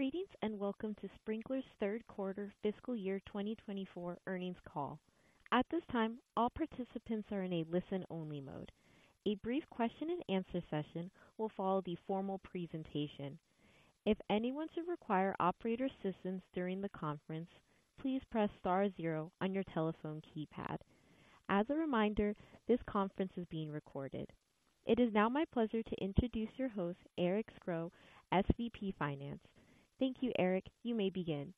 Greetings, and welcome to Sprinklr's third quarter fiscal year 2024 earnings call. At this time, all participants are in a listen-only mode. A brief question and answer session will follow the formal presentation. If anyone should require operator assistance during the conference, please press star zero on your telephone keypad. As a reminder, this conference is being recorded. It is now my pleasure to introduce your host, Eric Scro, SVP Finance. Thank you, Eric. You may begin.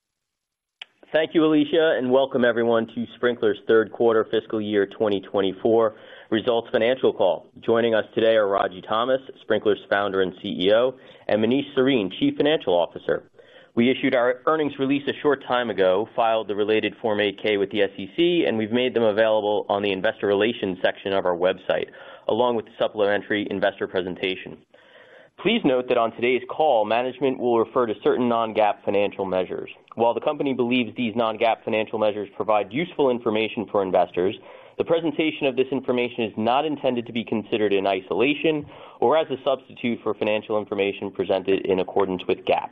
Thank you, Alicia, and welcome everyone to Sprinklr's third quarter fiscal year 2024 results financial call. Joining us today are Ragy Thomas, Sprinklr's founder and CEO, and Manish Sarin, Chief Financial Officer. We issued our earnings release a short time ago, filed the related Form 8-K with the SEC, and we've made them available on the investor relations section of our website, along with the supplementary investor presentation. Please note that on today's call, management will refer to certain non-GAAP financial measures. While the company believes these non-GAAP financial measures provide useful information for investors, the presentation of this information is not intended to be considered in isolation or as a substitute for financial information presented in accordance with GAAP.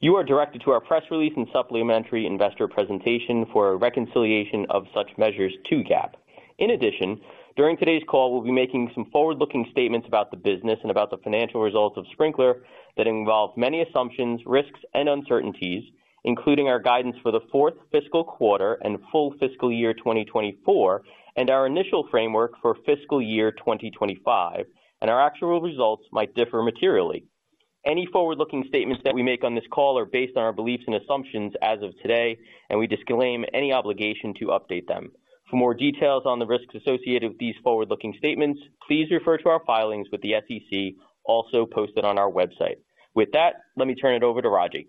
You are directed to our press release and supplementary investor presentation for a reconciliation of such measures to GAAP. In addition, during today's call, we'll be making some forward-looking statements about the business and about the financial results of Sprinklr that involve many assumptions, risks and uncertainties, including our guidance for the fourth fiscal quarter and full fiscal year 2024, and our initial framework for fiscal year 2025, and our actual results might differ materially. Any forward-looking statements that we make on this call are based on our beliefs and assumptions as of today, and we disclaim any obligation to update them. For more details on the risks associated with these forward-looking statements, please refer to our filings with the SEC, also posted on our website. With that, let me turn it over to Ragy.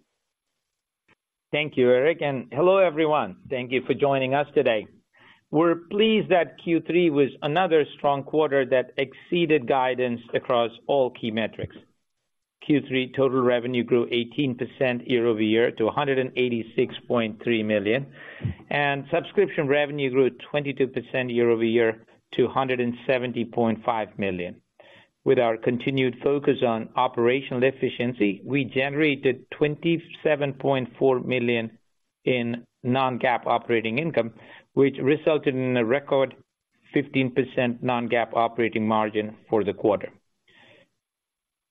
Thank you, Eric, and hello, everyone. Thank you for joining us today. We're pleased that Q3 was another strong quarter that exceeded guidance across all key metrics. Q3 total revenue grew 18% year over year to $186.3 million, and subscription revenue grew 22% year over year to $170.5 million. With our continued focus on operational efficiency, we generated $27.4 million in non-GAAP operating income, which resulted in a record 15% non-GAAP operating margin for the quarter.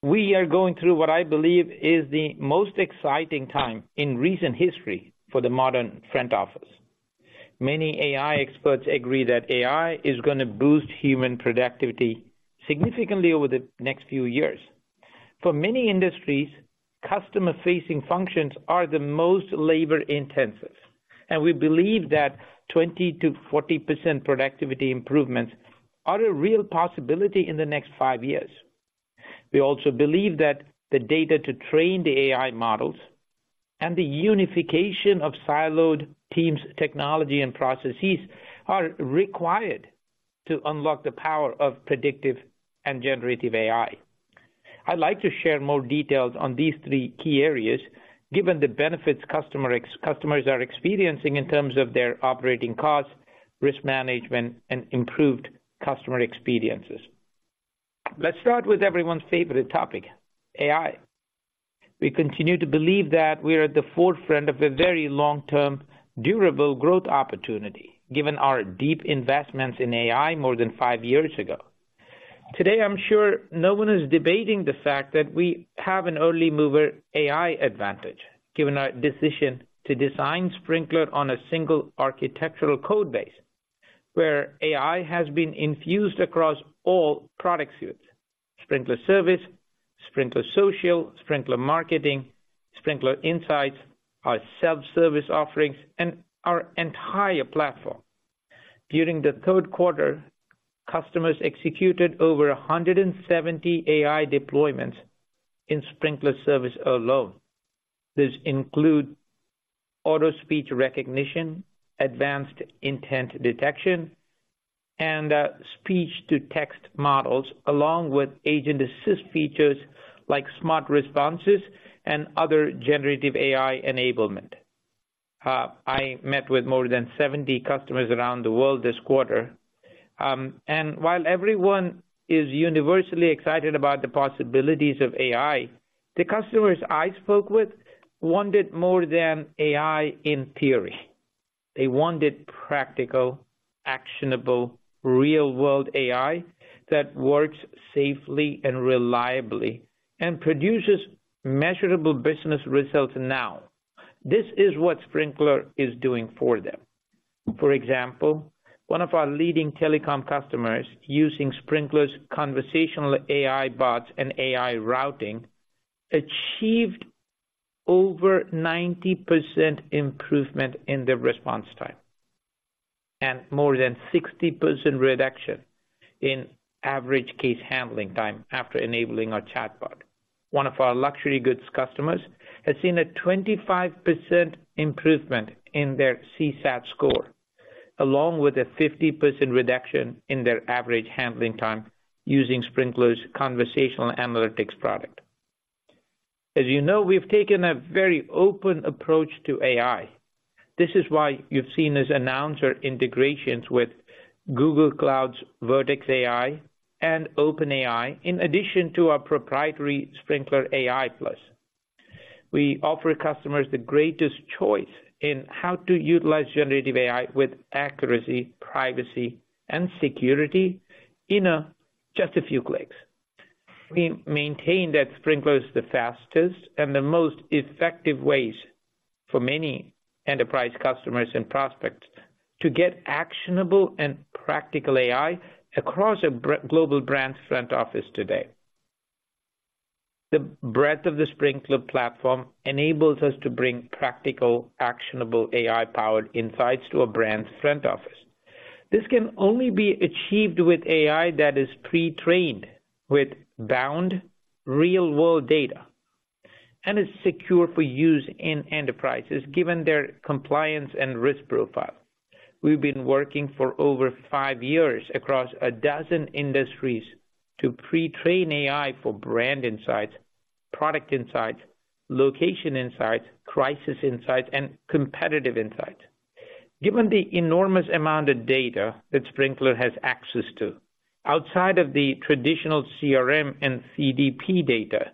We are going through what I believe is the most exciting time in recent history for the modern front office. Many AI experts agree that AI is gonna boost human productivity significantly over the next few years. For many industries, customer-facing functions are the most labor-intensive, and we believe that 20%-40% productivity improvements are a real possibility in the next five years. We also believe that the data to train the AI models and the unification of siloed teams, technology, and processes are required to unlock the power of predictive and generative AI. I'd like to share more details on these three key areas, given the benefits customers are experiencing in terms of their operating costs, risk management, and improved customer experiences. Let's start with everyone's favorite topic, AI. We continue to believe that we are at the forefront of a very long-term, durable growth opportunity, given our deep investments in AI more than five years ago. Today, I'm sure no one is debating the fact that we have an early mover AI advantage, given our decision to design Sprinklr on a single architectural code base, where AI has been infused across all product suites, Sprinklr Service, Sprinklr Social, Sprinklr Marketing, Sprinklr Insights, our self-service offerings, and our entire platform. During the third quarter, customers executed over 170 AI deployments in Sprinklr Service alone. This include auto speech recognition, advanced intent detection, and speech-to-text models, along with agent assist features like smart responses and other generative AI enablement. I met with more than 70 customers around the world this quarter, and while everyone is universally excited about the possibilities of AI, the customers I spoke with wanted more than AI in theory. They wanted practical, actionable, real-world AI that works safely and reliably and produces measurable business results now. This is what Sprinklr is doing for them. For example, one of our leading telecom customers using Sprinklr's conversational AI bots and AI routing achieved over 90% improvement in their response time and more than 60% reduction in average case handling time after enabling our chatbot. One of our luxury goods customers has seen a 25% improvement in their CSAT score, along with a 50% reduction in their average handling time using Sprinklr's conversational analytics product. As you know, we've taken a very open approach to AI ... This is why you've seen us announce integrations with Google Cloud's Vertex AI and OpenAI, in addition to our proprietary Sprinklr AI+. We offer customers the greatest choice in how to utilize generative AI with accuracy, privacy, and security in just a few clicks. We maintain that Sprinklr is the fastest and the most effective ways for many enterprise customers and prospects to get actionable and practical AI across a broad global brand front office today. The breadth of the Sprinklr platform enables us to bring practical, actionable, AI-powered insights to a brand's front office. This can only be achieved with AI that is pre-trained with abundant, real-world data, and is secure for use in enterprises, given their compliance and risk profile. We've been working for over five years across a dozen industries to pre-train AI for brand insights, product insights, location insights, crisis insights, and competitive insights. Given the enormous amount of data that Sprinklr has access to, outside of the traditional CRM and CDP data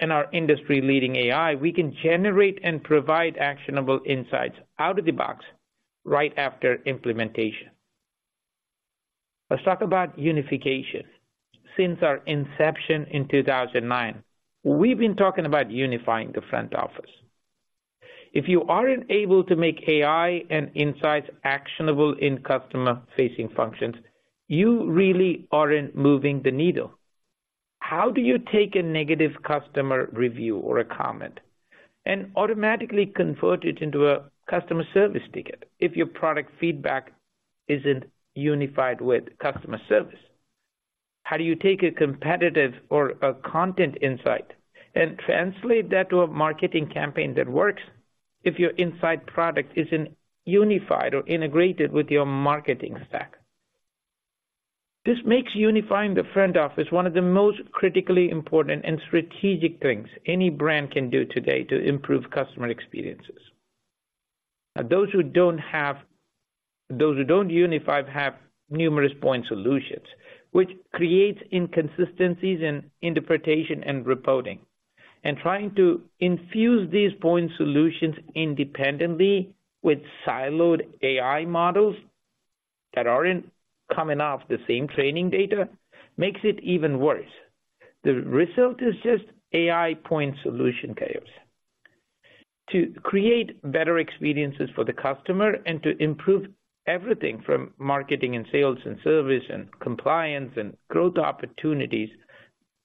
and our industry-leading AI, we can generate and provide actionable insights out of the box right after implementation. Let's talk about unification. Since our inception in 2009, we've been talking about unifying the front office. If you aren't able to make AI and insights actionable in customer-facing functions, you really aren't moving the needle. How do you take a negative customer review or a comment and automatically convert it into a customer service ticket if your product feedback isn't unified with customer service? How do you take a competitive or a content insight and translate that to a marketing campaign that works if your insight product isn't unified or integrated with your marketing stack? This makes unifying the front office one of the most critically important and strategic things any brand can do today to improve customer experiences. And those who don't unify have numerous point solutions, which creates inconsistencies in interpretation and reporting. Trying to infuse these point solutions independently with siloed AI models that aren't coming off the same training data makes it even worse. The result is just AI point solution chaos. To create better experiences for the customer and to improve everything from marketing and sales and service and compliance and growth opportunities,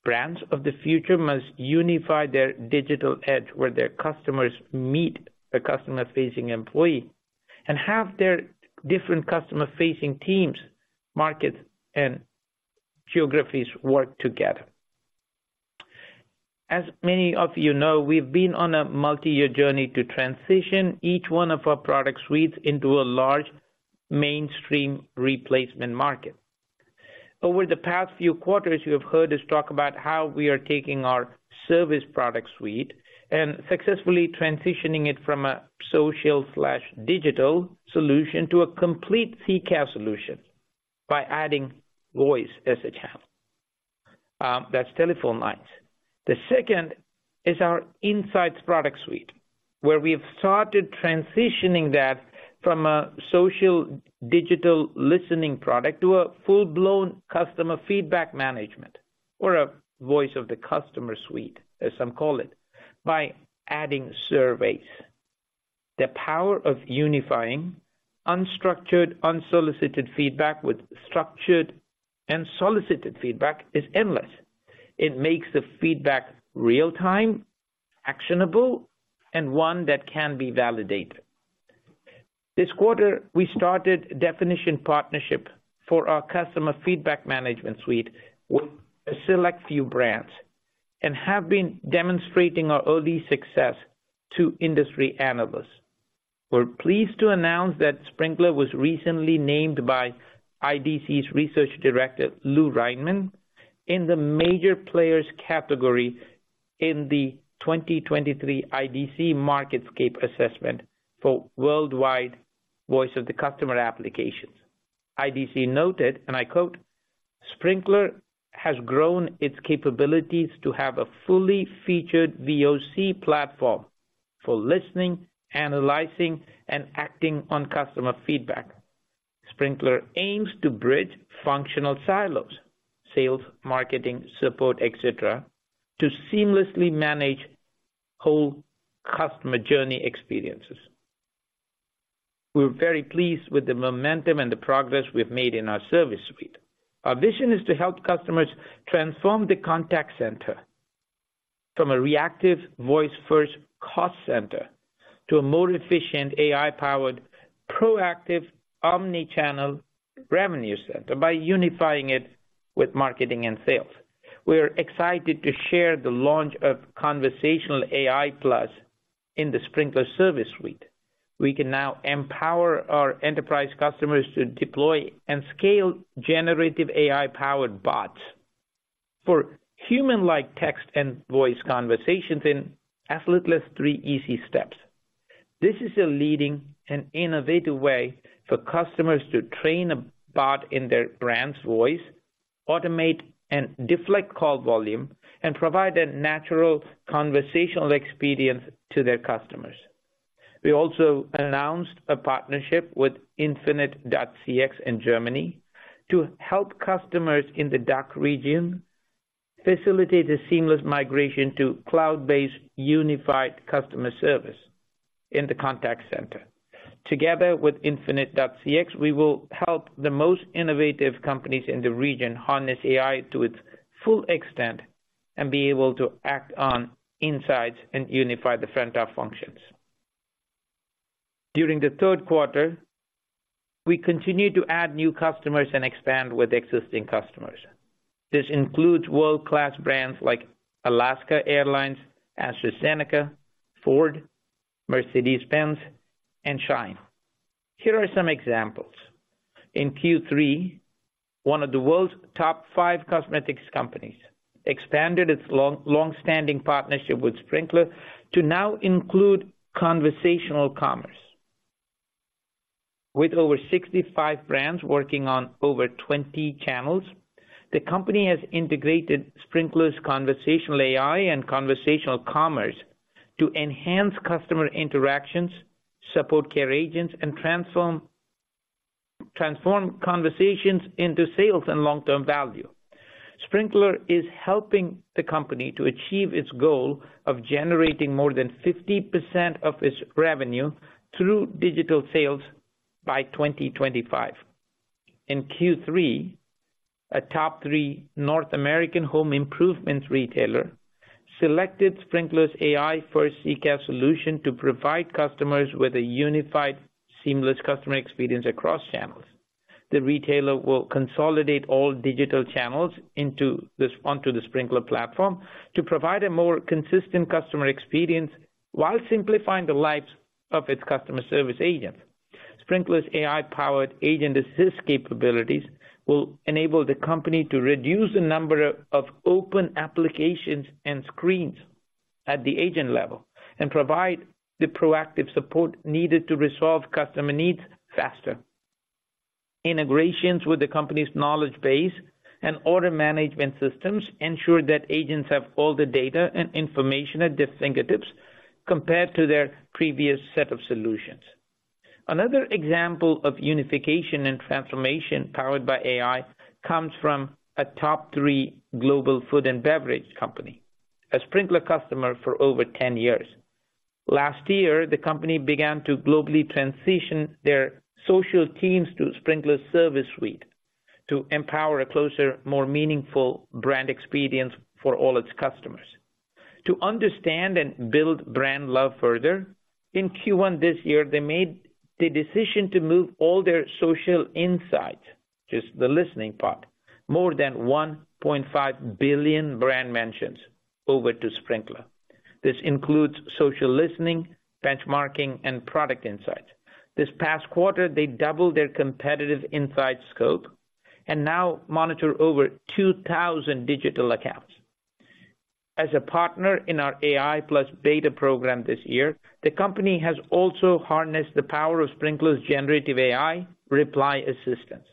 brands of the future must unify their digital edge, where their customers meet a customer-facing employee, and have their different customer-facing teams, markets, and geographies work together. As many of you know, we've been on a multi-year journey to transition each one of our product suites into a large, mainstream replacement market. Over the past few quarters, you have heard us talk about how we are taking our service product suite and successfully transitioning it from a social/digital solution to a complete CCaaS solution by adding voice as a channel. That's telephone lines. The second is our Insights product suite, where we have started transitioning that from a social digital listening product to a full-blown customer feedback management, or a voice of the customer suite, as some call it, by adding surveys. The power of unifying unstructured, unsolicited feedback with structured and solicited feedback is endless. It makes the feedback real time, actionable, and one that can be validated. This quarter, we started definition partnership for our customer feedback management suite with a select few brands and have been demonstrating our early success to industry analysts. We're pleased to announce that Sprinklr was recently named by IDC's research director, Lou Reinemann, in the major players category in the 2023 IDC MarketScape assessment for worldwide voice of the customer applications. IDC noted, and I quote, "Sprinklr has grown its capabilities to have a fully featured VOC platform for listening, analyzing, and acting on customer feedback. Sprinklr aims to bridge functional silos, sales, marketing, support, et cetera, to seamlessly manage whole customer journey experiences." We're very pleased with the momentum and the progress we've made in our service suite. Our vision is to help customers transform the contact center from a reactive voice-first cost center to a more efficient, AI-powered, proactive, omni-channel revenue center by unifying it with marketing and sales. We are excited to share the launch of Conversational AI+ in the Sprinklr Service suite. We can now empower our enterprise customers to deploy and scale generative AI-powered bots... for human-like text and voice conversations in effortless, three easy steps. This is a leading and innovative way for customers to train a bot in their brand's voice, automate and deflect call volume, and provide a natural conversational experience to their customers. We also announced a partnership with infinit.cx in Germany, to help customers in the DACH region facilitate a seamless migration to cloud-based unified customer service in the contact center. Together with infinit.cx, we will help the most innovative companies in the region harness AI to its full extent, and be able to act on insights and unify the front-end functions. During the third quarter, we continued to add new customers and expand with existing customers. This includes world-class brands like Alaska Airlines, AstraZeneca, Ford, Mercedes-Benz, and Shine. Here are some examples: In Q3, one of the world's top five cosmetics companies expanded its long, longstanding partnership with Sprinklr to now include conversational commerce. With over 65 brands working on over 20 channels, the company has integrated Sprinklr's conversational AI and conversational commerce to enhance customer interactions, support care agents, and transform conversations into sales and long-term value. Sprinklr is helping the company to achieve its goal of generating more than 50% of its revenue through digital sales by 2025. In Q3, a top three North American home improvements retailer selected Sprinklr's AI-first CCaaS solution to provide customers with a unified, seamless customer experience across channels. The retailer will consolidate all digital channels onto the Sprinklr platform to provide a more consistent customer experience while simplifying the lives of its customer service agents. Sprinklr's AI-powered agent assist capabilities will enable the company to reduce the number of open applications and screens at the agent level, and provide the proactive support needed to resolve customer needs faster. Integrations with the company's knowledge base and order management systems ensure that agents have all the data and information at their fingertips compared to their previous set of solutions. Another example of unification and transformation powered by AI, comes from a top three global food and beverage company, a Sprinklr customer for over 10 years. Last year, the company began to globally transition their social teams to Sprinklr's service suite, to empower a closer, more meaningful brand experience for all its customers. To understand and build brand love further, in Q1 this year, they made the decision to move all their social insights, just the listening part, more than 1.5 billion brand mentions over to Sprinklr. This includes social listening, benchmarking, and product insights. This past quarter, they doubled their competitive insight scope, and now monitor over 2,000 digital accounts. As a partner in our AI+ beta program this year, the company has also harnessed the power of Sprinklr's generative AI reply assistance.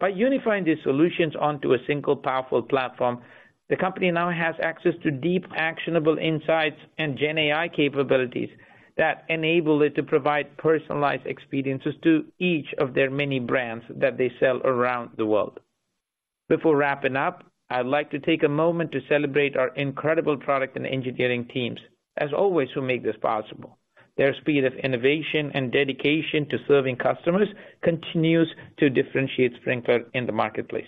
By unifying these solutions onto a single, powerful platform, the company now has access to deep, actionable insights and GenAI capabilities that enable it to provide personalized experiences to each of their many brands that they sell around the world. Before wrapping up, I'd like to take a moment to celebrate our incredible product and engineering teams, as always, who make this possible. Their speed of innovation and dedication to serving customers continues to differentiate Sprinklr in the marketplace.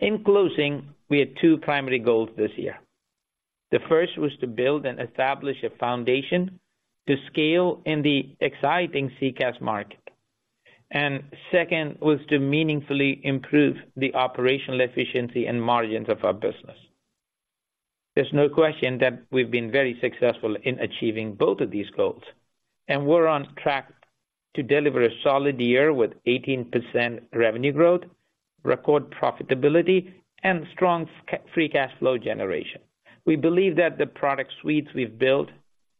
In closing, we had two primary goals this year. The first was to build and establish a foundation to scale in the exciting CCaaS market. And second, was to meaningfully improve the operational efficiency and margins of our business. There's no question that we've been very successful in achieving both of these goals, and we're on track to deliver a solid year with 18% revenue growth, record profitability, and strong free cash flow generation. We believe that the product suites we've built,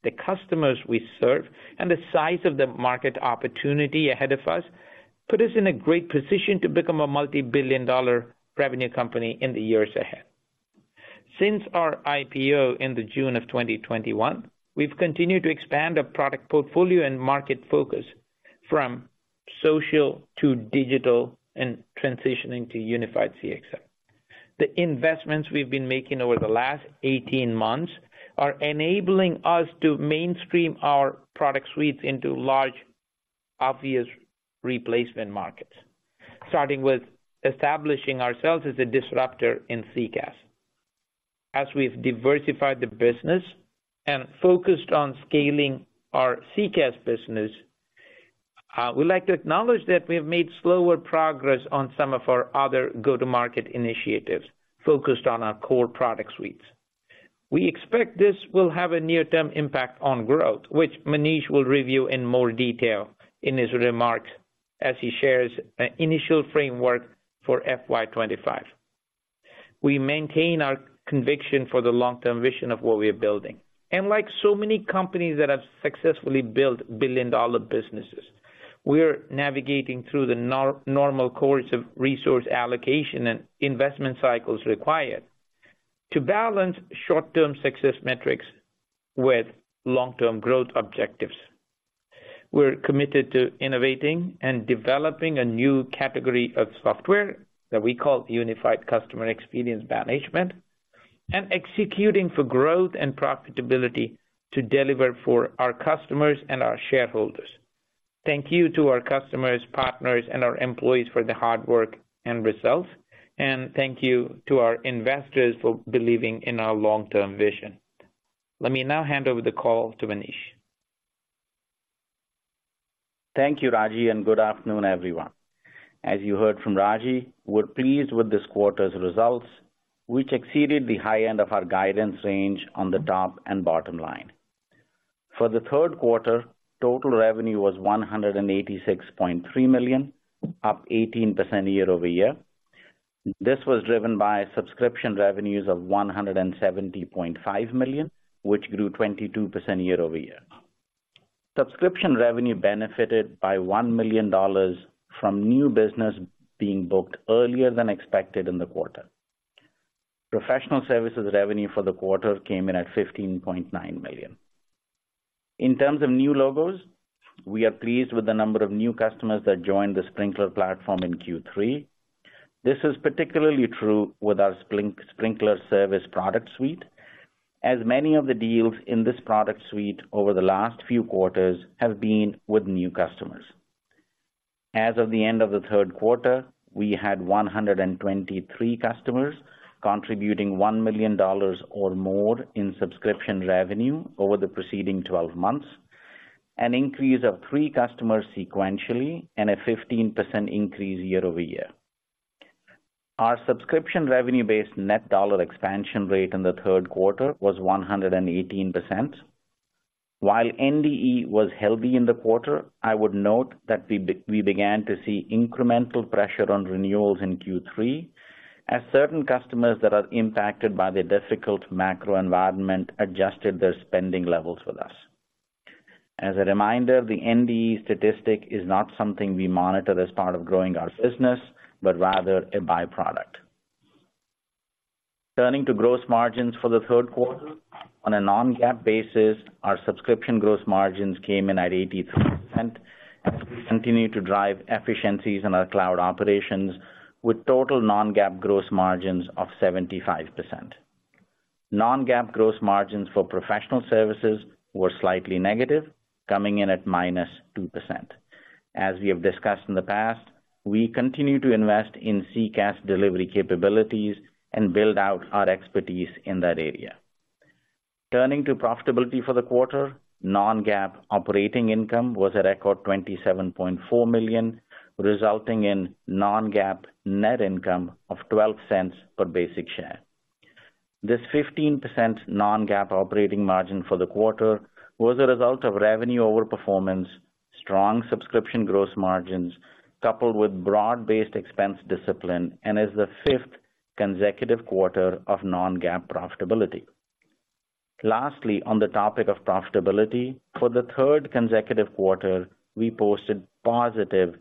the customers we serve, and the size of the market opportunity ahead of us, put us in a great position to become a multi-billion dollar revenue company in the years ahead. Since our IPO in June 2021, we've continued to expand our product portfolio and market focus from social to digital and transitioning to Unified-CXM. The investments we've been making over the last 18 months are enabling us to mainstream our product suites into large, obvious replacement markets, starting with establishing ourselves as a disruptor in CCaaS. As we've diversified the business and focused on scaling our CCaaS business, we'd like to acknowledge that we have made slower progress on some of our other go-to-market initiatives, focused on our core product suites.... We expect this will have a near-term impact on growth, which Manish will review in more detail in his remarks as he shares an initial framework for FY 2025. We maintain our conviction for the long-term vision of what we are building. And like so many companies that have successfully built billion-dollar businesses, we're navigating through the normal course of resource allocation and investment cycles required to balance short-term success metrics with long-term growth objectives. We're committed to innovating and developing a new category of software that we call Unified Customer Experience Management, and executing for growth and profitability to deliver for our customers and our shareholders. Thank you to our customers, partners, and our employees for the hard work and results, and thank you to our investors for believing in our long-term vision. Let me now hand over the call to Manish. Thank you, Ragy, and good afternoon, everyone. As you heard from Ragy, we're pleased with this quarter's results, which exceeded the high end of our guidance range on the top and bottom line. For the third quarter, total revenue was $186.3 million, up 18% year over year. This was driven by subscription revenues of $170.5 million, which grew 22% year over year. Subscription revenue benefited by $1 million from new business being booked earlier than expected in the quarter. Professional services revenue for the quarter came in at $15.9 million. In terms of new logos, we are pleased with the number of new customers that joined the Sprinklr platform in Q3. This is particularly true with our Sprinklr Service product suite, as many of the deals in this product suite over the last few quarters have been with new customers. As of the end of the third quarter, we had 123 customers contributing $1 million or more in subscription revenue over the preceding twelve months, an increase of three customers sequentially and a 15% increase year-over-year. Our subscription revenue-based net dollar expansion rate in the third quarter was 118%. While NDE was healthy in the quarter, I would note that we began to see incremental pressure on renewals in Q3, as certain customers that are impacted by the difficult macro environment adjusted their spending levels with us. As a reminder, the NDE statistic is not something we monitor as part of growing our business, but rather a by-product. Turning to gross margins for the third quarter. On a Non-GAAP basis, our subscription gross margins came in at 83%, as we continue to drive efficiencies in our cloud operations, with total Non-GAAP gross margins of 75%. Non-GAAP gross margins for professional services were slightly negative, coming in at -2%. As we have discussed in the past, we continue to invest in CCaaS delivery capabilities and build out our expertise in that area. Turning to profitability for the quarter, Non-GAAP operating income was a record $27.4 million, resulting in Non-GAAP net income of $0.12 per basic share. This 15% non-GAAP operating margin for the quarter was a result of revenue overperformance, strong subscription gross margins, coupled with broad-based expense discipline, and is the fifth consecutive quarter of non-GAAP profitability. Lastly, on the topic of profitability, for the third consecutive quarter, we posted positive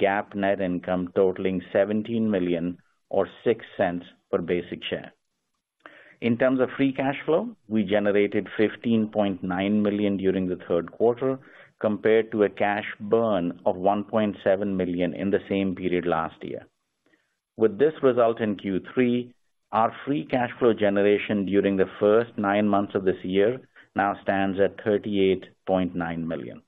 GAAP net income totaling $17 million or $0.06 per basic share. In terms of free cash flow, we generated $15.9 million during the third quarter, compared to a cash burn of $1.7 million in the same period last year. With this result in Q3, our free cash flow generation during the first nine months of this year now stands at $38.9 million.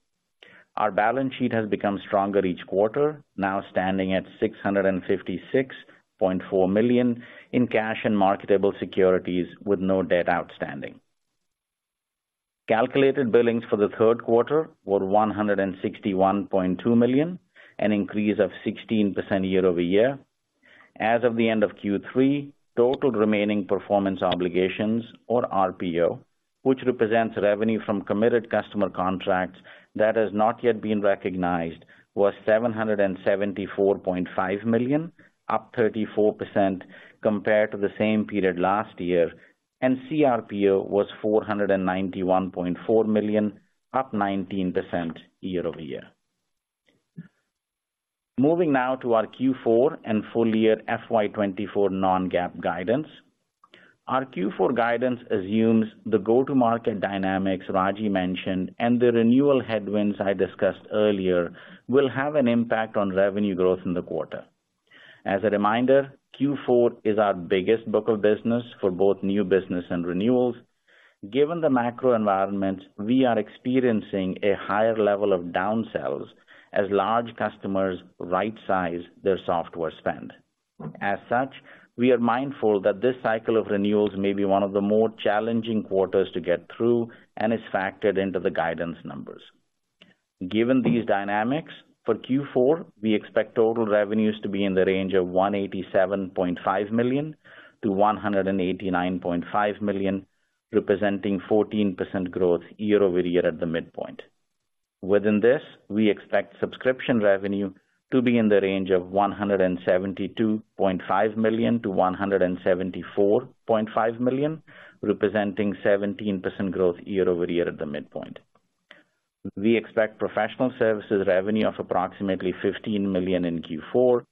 Our balance sheet has become stronger each quarter, now standing at $656.4 million in cash and marketable securities, with no debt outstanding. Calculated billings for the third quarter were $161.2 million, an increase of 16% year over year. As of the end of Q3, total remaining performance obligations, or RPO, which represents revenue from committed customer contracts that has not yet been recognized, was $774.5 million, up 34% compared to the same period last year, and CRPO was $491.4 million, up 19% year over year. Moving now to our Q4 and full year FY 2024 non-GAAP guidance. Our Q4 guidance assumes the go-to-market dynamics Ragy mentioned and the renewal headwinds I discussed earlier will have an impact on revenue growth in the quarter. As a reminder, Q4 is our biggest book of business for both new business and renewals. Given the macro environment, we are experiencing a higher level of downsells as large customers rightsize their software spend. As such, we are mindful that this cycle of renewals may be one of the more challenging quarters to get through and is factored into the guidance numbers. Given these dynamics, for Q4, we expect total revenues to be in the range of $187.5 million-$189.5 million, representing 14% growth year-over-year at the midpoint. Within this, we expect subscription revenue to be in the range of $172.5 million-$174.5 million, representing 17% growth year-over-year at the midpoint. We expect professional services revenue of approximately $15 million in Q4.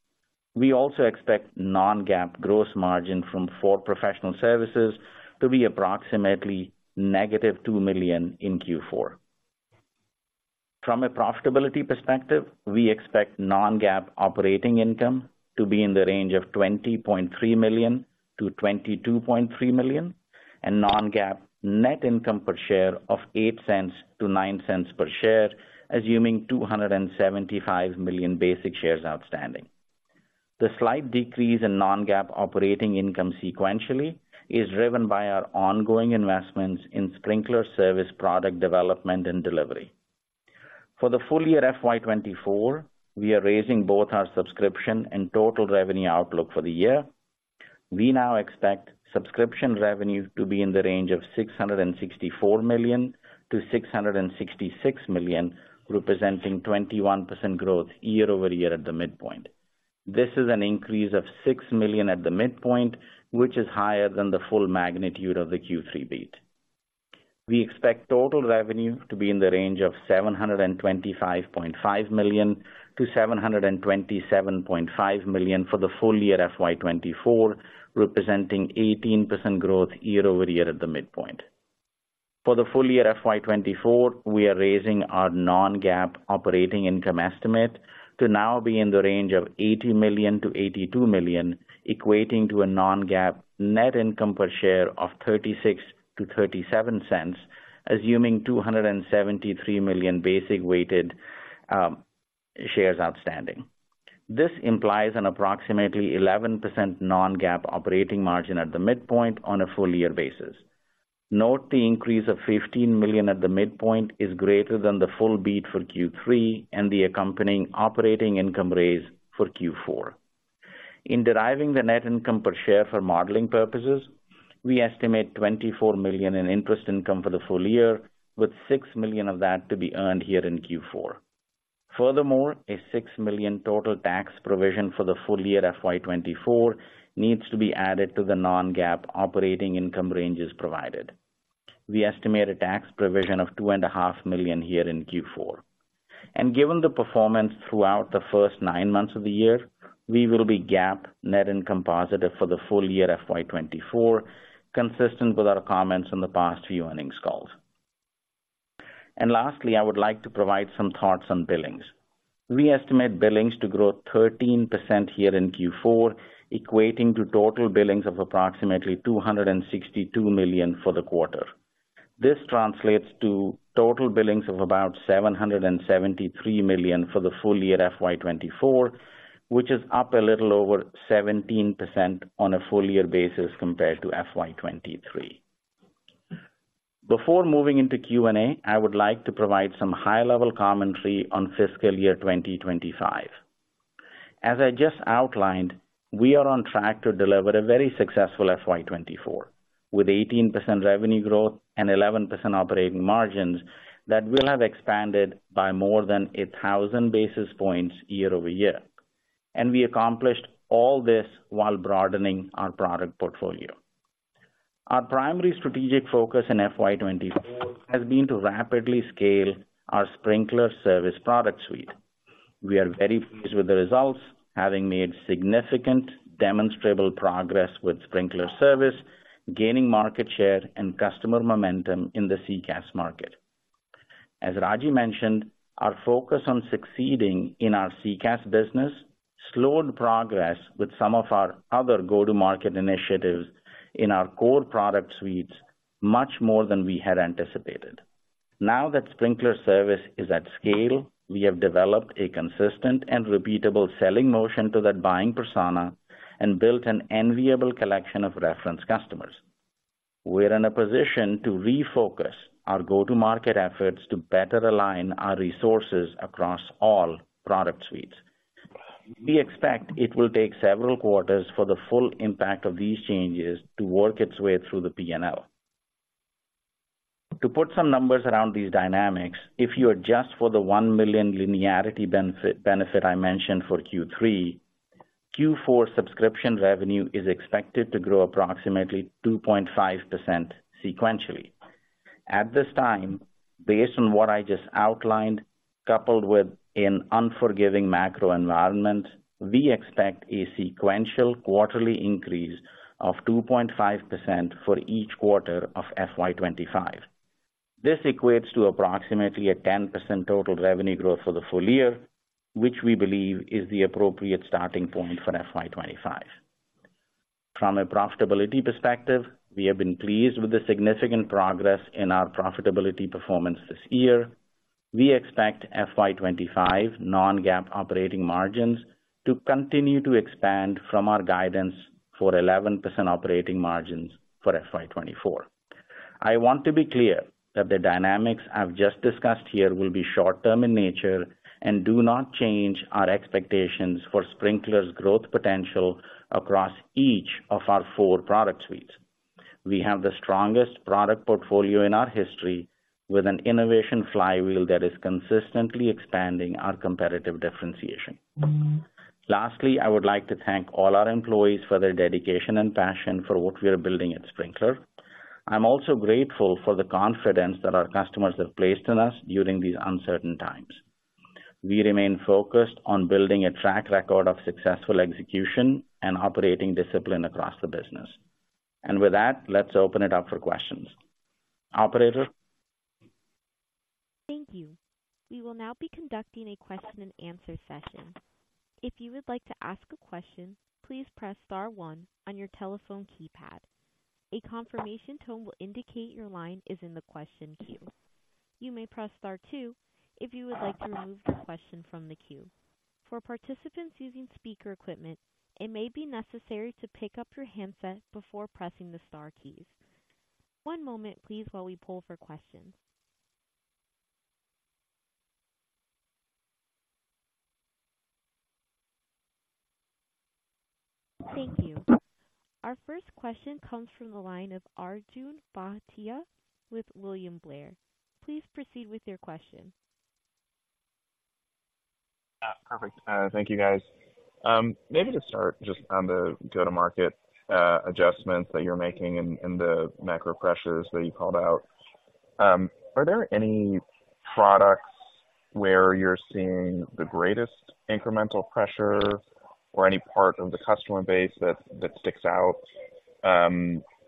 We also expect non-GAAP gross profit for professional services to be approximately negative $2 million in Q4. From a profitability perspective, we expect Non-GAAP operating income to be in the range of $20.3 million-$22.3 million, and Non-GAAP net income per share of $0.08-$0.09 per share, assuming 275 million basic shares outstanding. The slight decrease in Non-GAAP operating income sequentially is driven by our ongoing investments in Sprinklr Service, product development, and delivery. For the full year FY 2024, we are raising both our subscription and total revenue outlook for the year. We now expect subscription revenue to be in the range of $664 million-$666 million, representing 21% growth year-over-year at the midpoint. This is an increase of $6 million at the midpoint, which is higher than the full magnitude of the Q3 beat. We expect total revenue to be in the range of $725.5 million-$727.5 million for the full year FY 2024, representing 18% growth year-over-year at the midpoint. For the full year FY 2024, we are raising our non-GAAP operating income estimate to now be in the range of $80 million-$82 million, equating to a non-GAAP net income per share of $0.36-$0.37, assuming 273 million basic weighted shares outstanding. This implies an approximately 11% non-GAAP operating margin at the midpoint on a full year basis. Note the increase of $15 million at the midpoint is greater than the full beat for Q3 and the accompanying operating income raise for Q4. In deriving the net income per share for modeling purposes, we estimate $24 million in interest income for the full year, with $6 million of that to be earned here in Q4. Furthermore, a $6 million total tax provision for the full year FY 2024 needs to be added to the non-GAAP operating income ranges provided. We estimate a tax provision of $2.5 million here in Q4. And given the performance throughout the first 9 months of the year, we will be GAAP net income positive for the full year FY 2024, consistent with our comments in the past few earnings calls. And lastly, I would like to provide some thoughts on billings. We estimate billings to grow 13% here in Q4, equating to total billings of approximately $262 million for the quarter. This translates to total billings of about $773 million for the full year FY 2024, which is up a little over 17% on a full year basis compared to FY 2023. Before moving into Q&A, I would like to provide some high-level commentary on fiscal year 2025. As I just outlined, we are on track to deliver a very successful FY 2024, with 18% revenue growth and 11% operating margins that will have expanded by more than 1,000 basis points year-over-year. And we accomplished all this while broadening our product portfolio. Our primary strategic focus in FY 2024 has been to rapidly scale our Sprinklr Service product suite. We are very pleased with the results, having made significant demonstrable progress with Sprinklr Service, gaining market share and customer momentum in the CCaaS market. As Ragy mentioned, our focus on succeeding in our CCaaS business slowed progress with some of our other go-to-market initiatives in our core product suites, much more than we had anticipated. Now that Sprinklr Service is at scale, we have developed a consistent and repeatable selling motion to that buying persona and built an enviable collection of reference customers. We're in a position to refocus our go-to-market efforts to better align our resources across all product suites. We expect it will take several quarters for the full impact of these changes to work its way through the P&L. To put some numbers around these dynamics, if you adjust for the $1 million linearity benefit I mentioned for Q3, Q4 subscription revenue is expected to grow approximately 2.5% sequentially. At this time, based on what I just outlined, coupled with an unforgiving macro environment, we expect a sequential quarterly increase of 2.5% for each quarter of FY 2025. This equates to approximately a 10% total revenue growth for the full year, which we believe is the appropriate starting point for FY 2025. From a profitability perspective, we have been pleased with the significant progress in our profitability performance this year. We expect FY 2025 non-GAAP operating margins to continue to expand from our guidance for 11% operating margins for FY 2024.... I want to be clear that the dynamics I've just discussed here will be short term in nature and do not change our expectations for Sprinklr's growth potential across each of our four product suites. We have the strongest product portfolio in our history, with an innovation flywheel that is consistently expanding our competitive differentiation. Lastly, I would like to thank all our employees for their dedication and passion for what we are building at Sprinklr. I'm also grateful for the confidence that our customers have placed in us during these uncertain times. We remain focused on building a track record of successful execution and operating discipline across the business. And with that, let's open it up for questions. Operator? Thank you. We will now be conducting a question and answer session. If you would like to ask a question, please press star one on your telephone keypad. A confirmation tone will indicate your line is in the question queue. You may press star two if you would like to remove the question from the queue. For participants using speaker equipment, it may be necessary to pick up your handset before pressing the star keys. One moment, please, while we pull for questions. Thank you. Our first question comes from the line of Arjun Bhatia with William Blair. Please proceed with your question. Perfect. Thank you, guys. Maybe to start just on the go-to-market adjustments that you're making and the macro pressures that you called out. Are there any products where you're seeing the greatest incremental pressure or any part of the customer base that sticks out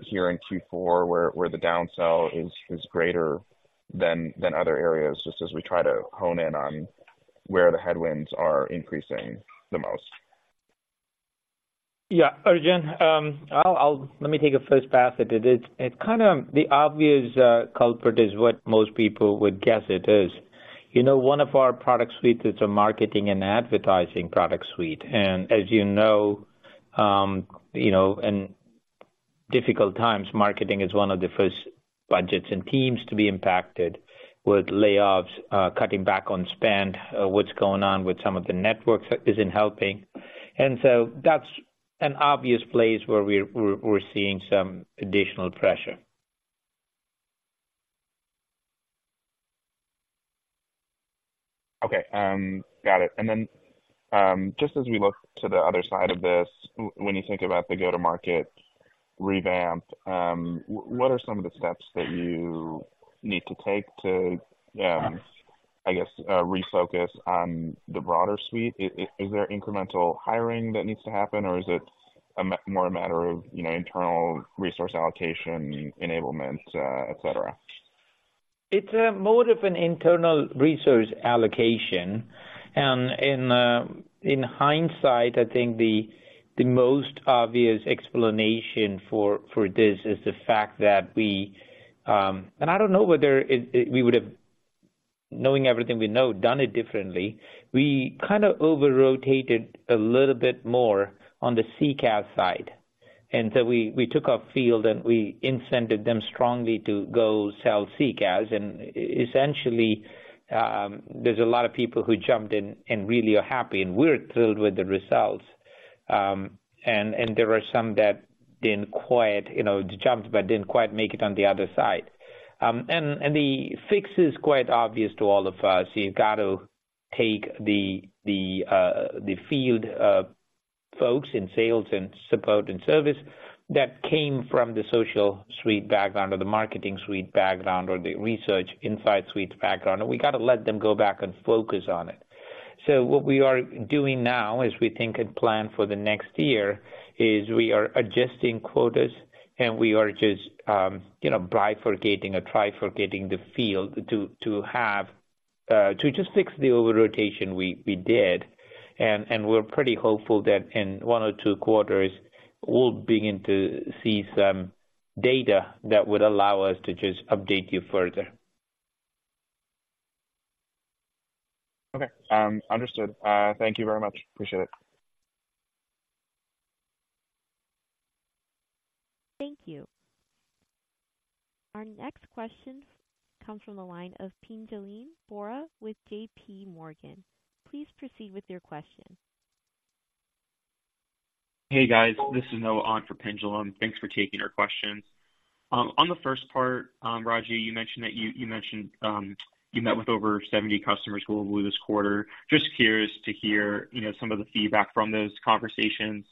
here in Q4, where the downsell is greater than other areas, just as we try to hone in on where the headwinds are increasing the most? Yeah, Arjun, I'll... Let me take a first pass at it. It's kind of the obvious culprit is what most people would guess it is. You know, one of our product suites is a marketing and advertising product suite, and as you know, you know, in difficult times, marketing is one of the first budgets and teams to be impacted with layoffs, cutting back on spend. What's going on with some of the networks isn't helping. And so that's an obvious place where we're seeing some additional pressure. Okay. Got it. Then, just as we look to the other side of this, when you think about the go-to-market revamp, what are some of the steps that you need to take to, I guess, refocus on the broader suite? Is there incremental hiring that needs to happen, or is it more a matter of, you know, internal resource allocation, enablement, et cetera? It's more of an internal resource allocation. In hindsight, I think the most obvious explanation for this is the fact that we, and I don't know whether we would have, knowing everything we know, done it differently. We kind of over-rotated a little bit more on the CCaaS side, and so we took our field, and we incented them strongly to go sell CCaaS. Essentially, there's a lot of people who jumped in and really are happy, and we're thrilled with the results. And there are some that didn't quite, you know, jumped, but didn't quite make it on the other side. And the fix is quite obvious to all of us. You've got to take the field, folks in sales and support and service that came from the social suite background, or the marketing suite background, or the research insight suite background, and we got to let them go back and focus on it. So what we are doing now, as we think and plan for the next year, is we are adjusting quotas, and we are just, you know, bifurcating or trifurcating the field to have to just fix the over-rotation we did. And we're pretty hopeful that in one or two quarters, we'll begin to see some data that would allow us to just update you further. Okay, understood. Thank you very much. Appreciate it. Thank you. Our next question comes from the line of Pinjalim Bora with JP Morgan. Please proceed with your question. Hey, guys. This is Noah on for Pinjalim Bora. Thanks for taking our questions. On the first part, Ragy, you mentioned that you mentioned you met with over 70 customers globally this quarter. Just curious to hear, you know, some of the feedback from those conversations.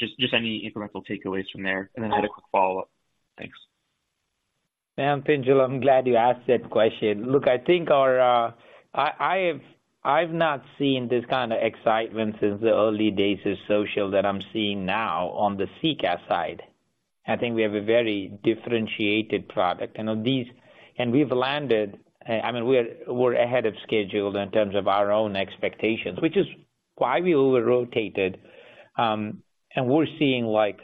Just any incremental takeaways from there? And then I had a quick follow-up. Thanks. Yeah, Pinjalim, I'm glad you asked that question. Look, I think I've not seen this kind of excitement since the early days of social that I'm seeing now on the CCaaS side. I think we have a very differentiated product. And we've landed, I mean, we're ahead of schedule in terms of our own expectations, which is why we over-rotated. And we're seeing like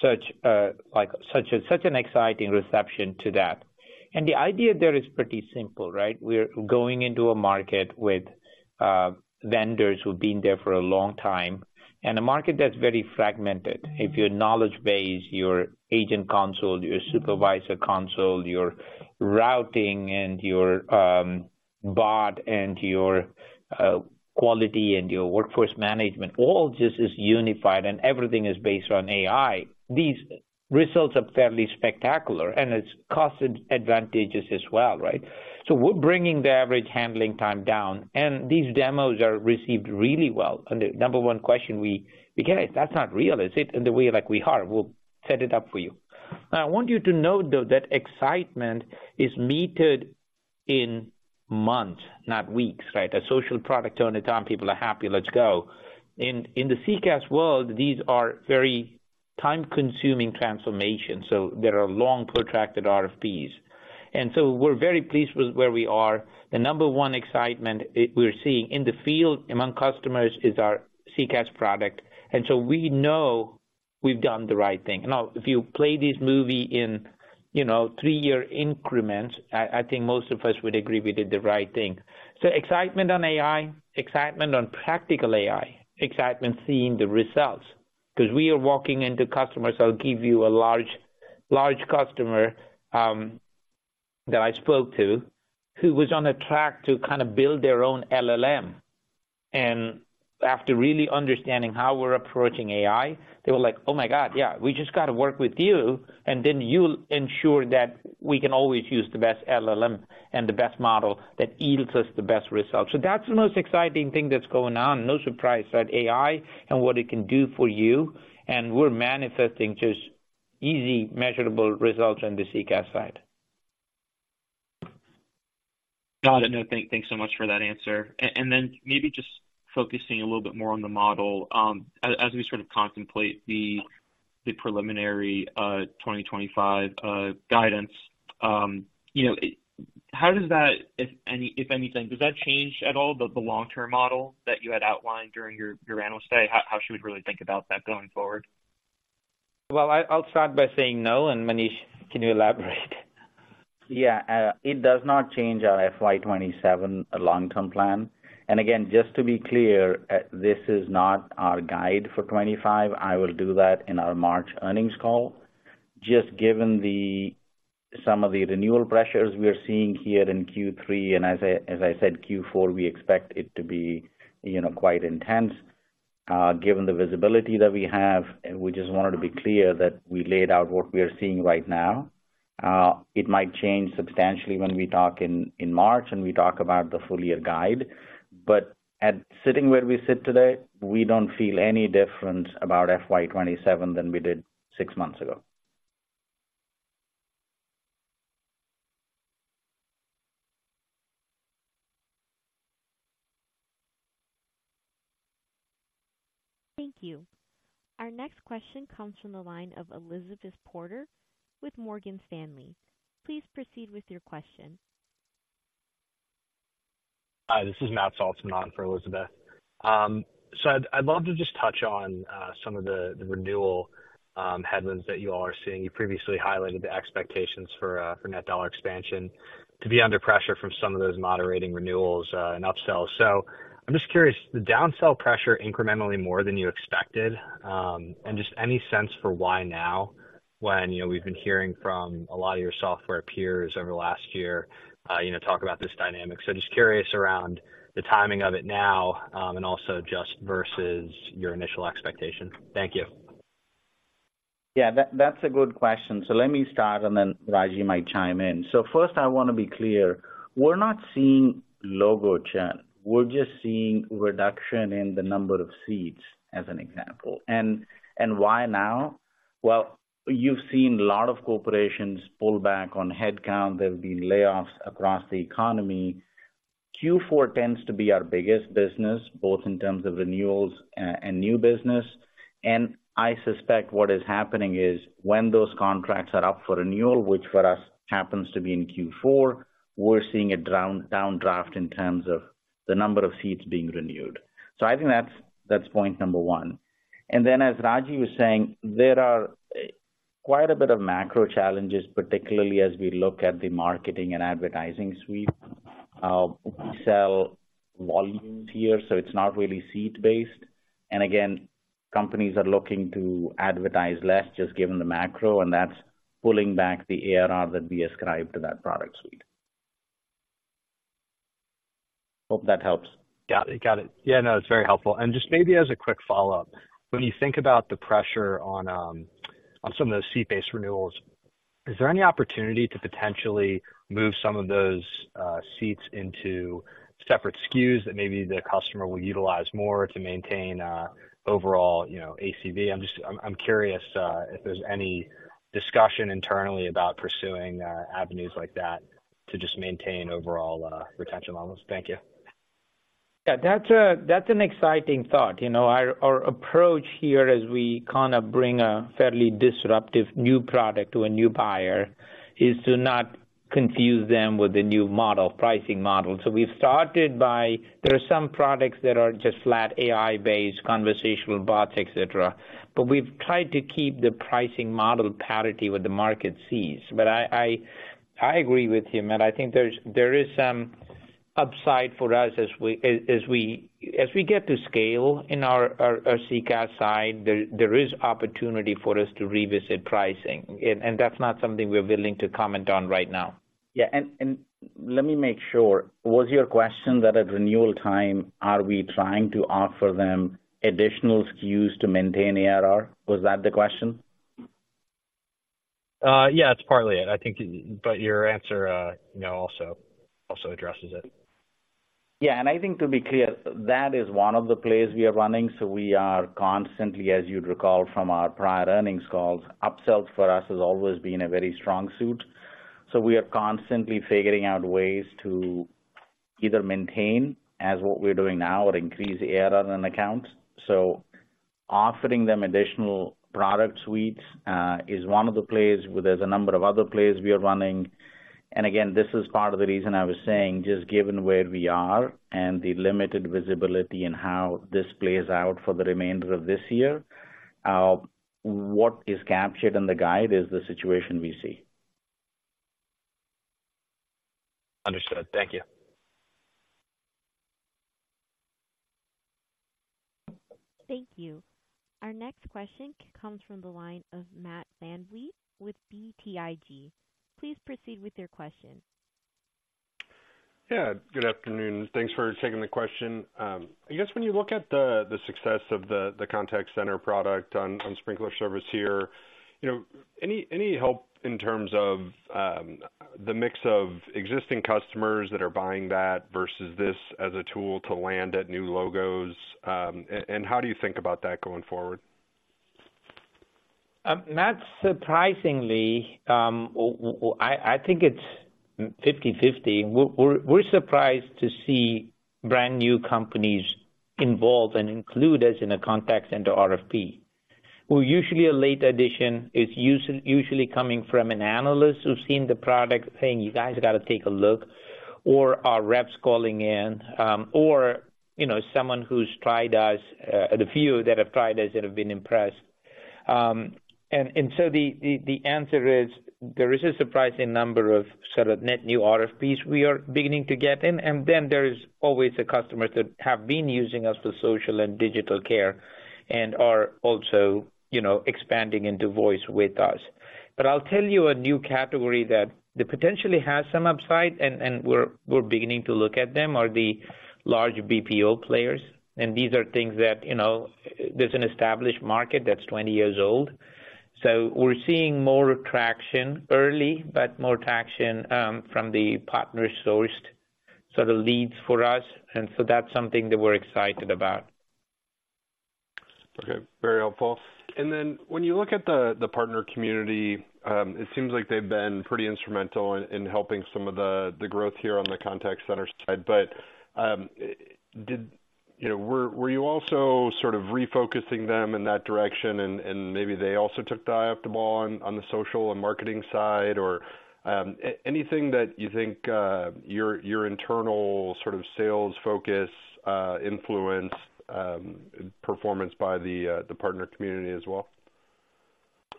such an exciting reception to that. And the idea there is pretty simple, right? We're going into a market with vendors who've been there for a long time, and a market that's very fragmented. If your knowledge base, your agent console, your supervisor console, your routing and your bot, and your quality, and your workforce management, all just is unified and everything is based on AI, these results are fairly spectacular, and it's cost advantageous as well, right? So we're bringing the average handling time down, and these demos are received really well. And the number one question we get, "That's not real, is it?" And we're like, "We are. We'll set it up for you." Now, I want you to note, though, that excitement is meted in months, not weeks, right? A social product, anytime people are happy, let's go. In the CCaaS world, these are very time-consuming transformations, so there are long, protracted RFPs. And so we're very pleased with where we are. The number one excitement we're seeing in the field among customers is our CCaaS product, and so we know we've done the right thing. Now, if you play this movie in, you know, three-year increments, I think most of us would agree we did the right thing. So excitement on AI, excitement on practical AI, excitement seeing the results. Because we are walking into customers... I'll give you a large, large customer, that I spoke to, who was on a track to kind of build their own LLM. And after really understanding how we're approaching AI, they were like, "Oh, my God, yeah, we just got to work with you, and then you'll ensure that we can always use the best LLM and the best model that yields us the best results." So that's the most exciting thing that's going on. No surprise that AI and what it can do for you, and we're manifesting just easy, measurable results on the CCaaS side. Got it. No, thanks so much for that answer. And then maybe just focusing a little bit more on the model, as we sort of contemplate the preliminary 2025 guidance, you know, how does that, if anything, does that change at all, the long-term model that you had outlined during your Investor Day? How should we really think about that going forward? Well, I, I'll start by saying no, and Manish, can you elaborate? Yeah, it does not change our FY 2027 long-term plan. And again, just to be clear, this is not our guide for 2025. I will do that in our March earnings call. Just given some of the renewal pressures we are seeing here in Q3, and as I said, Q4, we expect it to be, you know, quite intense. Given the visibility that we have, we just wanted to be clear that we laid out what we are seeing right now. It might change substantially when we talk in March, and we talk about the full year guide. But as we sit today, we don't feel any different about FY 2027 than we did six months ago. Thank you. Our next question comes from the line of Elizabeth Porter with Morgan Stanley. Please proceed with your question. Hi, this is Matt Saltzman for Elizabeth. So I'd love to just touch on some of the renewal headwinds that you all are seeing. You previously highlighted the expectations for net dollar expansion to be under pressure from some of those moderating renewals and upsells. So I'm just curious, the downsell pressure incrementally more than you expected? And just any sense for why now, when you know, we've been hearing from a lot of your software peers over the last year, you know, talk about this dynamic. So just curious around the timing of it now, and also just versus your initial expectation. Thank you. Yeah, that's a good question. So let me start, and then Ragy might chime in. So first, I wanna be clear, we're not seeing logo churn. We're just seeing reduction in the number of seats, as an example. And why now? Well, you've seen a lot of corporations pull back on headcount. There have been layoffs across the economy. Q4 tends to be our biggest business, both in terms of renewals and new business, and I suspect what is happening is when those contracts are up for renewal, which for us happens to be in Q4, we're seeing a downdraft in terms of the number of seats being renewed. So I think that's point number one. And then, as Ragy was saying, there are quite a bit of macro challenges, particularly as we look at the marketing and advertising suite. We sell volumes here, so it's not really seat-based. And again, companies are looking to advertise less just given the macro, and that's pulling back the ARR that we ascribe to that product suite. Hope that helps. Got it. Got it. Yeah, no, it's very helpful. And just maybe as a quick follow-up, when you think about the pressure on, on some of those seat-based renewals, is there any opportunity to potentially move some of those, seats into separate SKUs that maybe the customer will utilize more to maintain, overall, you know, ACV? I'm just curious, if there's any discussion internally about pursuing, avenues like that to just maintain overall, retention levels. Thank you. Yeah, that's an exciting thought. You know, our approach here as we kind of bring a fairly disruptive new product to a new buyer is to not confuse them with the new model, pricing model. So we've started by... There are some products that are just flat AI-based, conversational bots, et cetera, but we've tried to keep the pricing model parity with the market sees. But I agree with you, Matt. I think there is some upside for us as we get to scale in our CCaaS side, there is opportunity for us to revisit pricing, and that's not something we're willing to comment on right now. Yeah, and let me make sure. Was your question that at renewal time, are we trying to offer them additional SKUs to maintain ARR? Was that the question? Yeah, it's partly it, I think, but your answer, you know, also, also addresses it. Yeah, and I think to be clear, that is one of the plays we are running, so we are constantly, as you'd recall from our prior earnings calls, upsells for us has always been a very strong suit. So we are constantly figuring out ways to either maintain as what we're doing now or increase the ARR on an account. So offering them additional product suites is one of the plays, where there's a number of other plays we are running. And again, this is part of the reason I was saying, just given where we are and the limited visibility in how this plays out for the remainder of this year, what is captured in the guide is the situation we see. Understood. Thank you. Thank you. Our next question comes from the line of Matt VanVliet with BTIG. Please proceed with your question. Yeah, good afternoon. Thanks for taking the question. I guess when you look at the success of the contact center product on Sprinklr Service here, you know, any help in terms of the mix of existing customers that are buying that versus this as a tool to land at new logos? And how do you think about that going forward? Matt, surprisingly, I think it's 50/50. We're surprised to see brand new companies involved and include us in a contact center RFP. We're usually a late addition, it's usually coming from an analyst who's seen the product, saying, "You guys have got to take a look," or our reps calling in, or, you know, someone who's tried us, the few that have tried us that have been impressed. And so the answer is: there is a surprising number of sort of net new RFPs we are beginning to get in, and then there is always the customers that have been using us for social and digital care and are also, you know, expanding into voice with us. But I'll tell you a new category that potentially has some upside, and we're beginning to look at them, are the large BPO players. And these are things that, you know, there's an established market that's 20 years old. So we're seeing more traction early, but more traction from the partner sourced. So the leads for us, and so that's something that we're excited about. Okay, very helpful. And then when you look at the partner community, it seems like they've been pretty instrumental in helping some of the growth here on the contact center side. But, you know, were you also sort of refocusing them in that direction and maybe they also took their eye off the ball on the social and marketing side? Or anything that you think your internal sort of sales focus influenced performance by the partner community as well?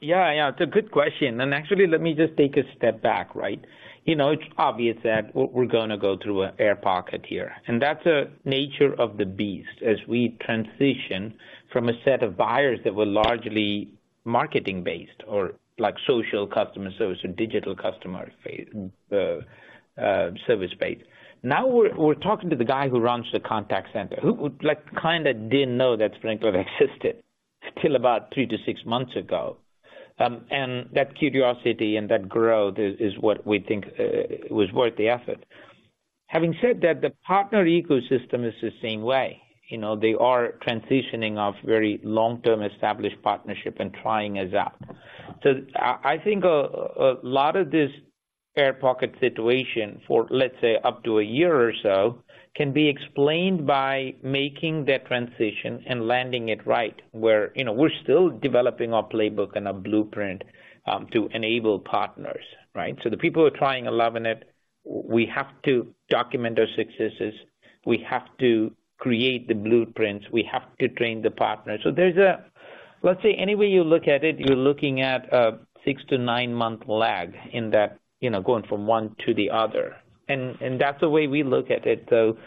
Yeah, yeah, it's a good question. Actually, let me just take a step back, right? You know, it's obvious that we're gonna go through an air pocket here, and that's a nature of the beast as we transition from a set of buyers that were largely marketing based or like social customer service or digital customer service-based. Now we're talking to the guy who runs the contact center, who, like, kinda didn't know that Sprinklr existed till about 3-6 months ago. That curiosity and that growth is what we think was worth the effort. Having said that, the partner ecosystem is the same way. You know, they are transitioning off very long-term established partnership and trying us out. So I think a lot of this air pocket situation for, let's say, up to a year or so, can be explained by making that transition and landing it right, where, you know, we're still developing our playbook and our blueprint, to enable partners, right? So the people who are trying are loving it. We have to document their successes, we have to create the blueprints, we have to train the partners. So there's a. Let's say, any way you look at it, you're looking at a 6-9-month lag in that, you know, going from one to the other. And that's the way we look at it, though,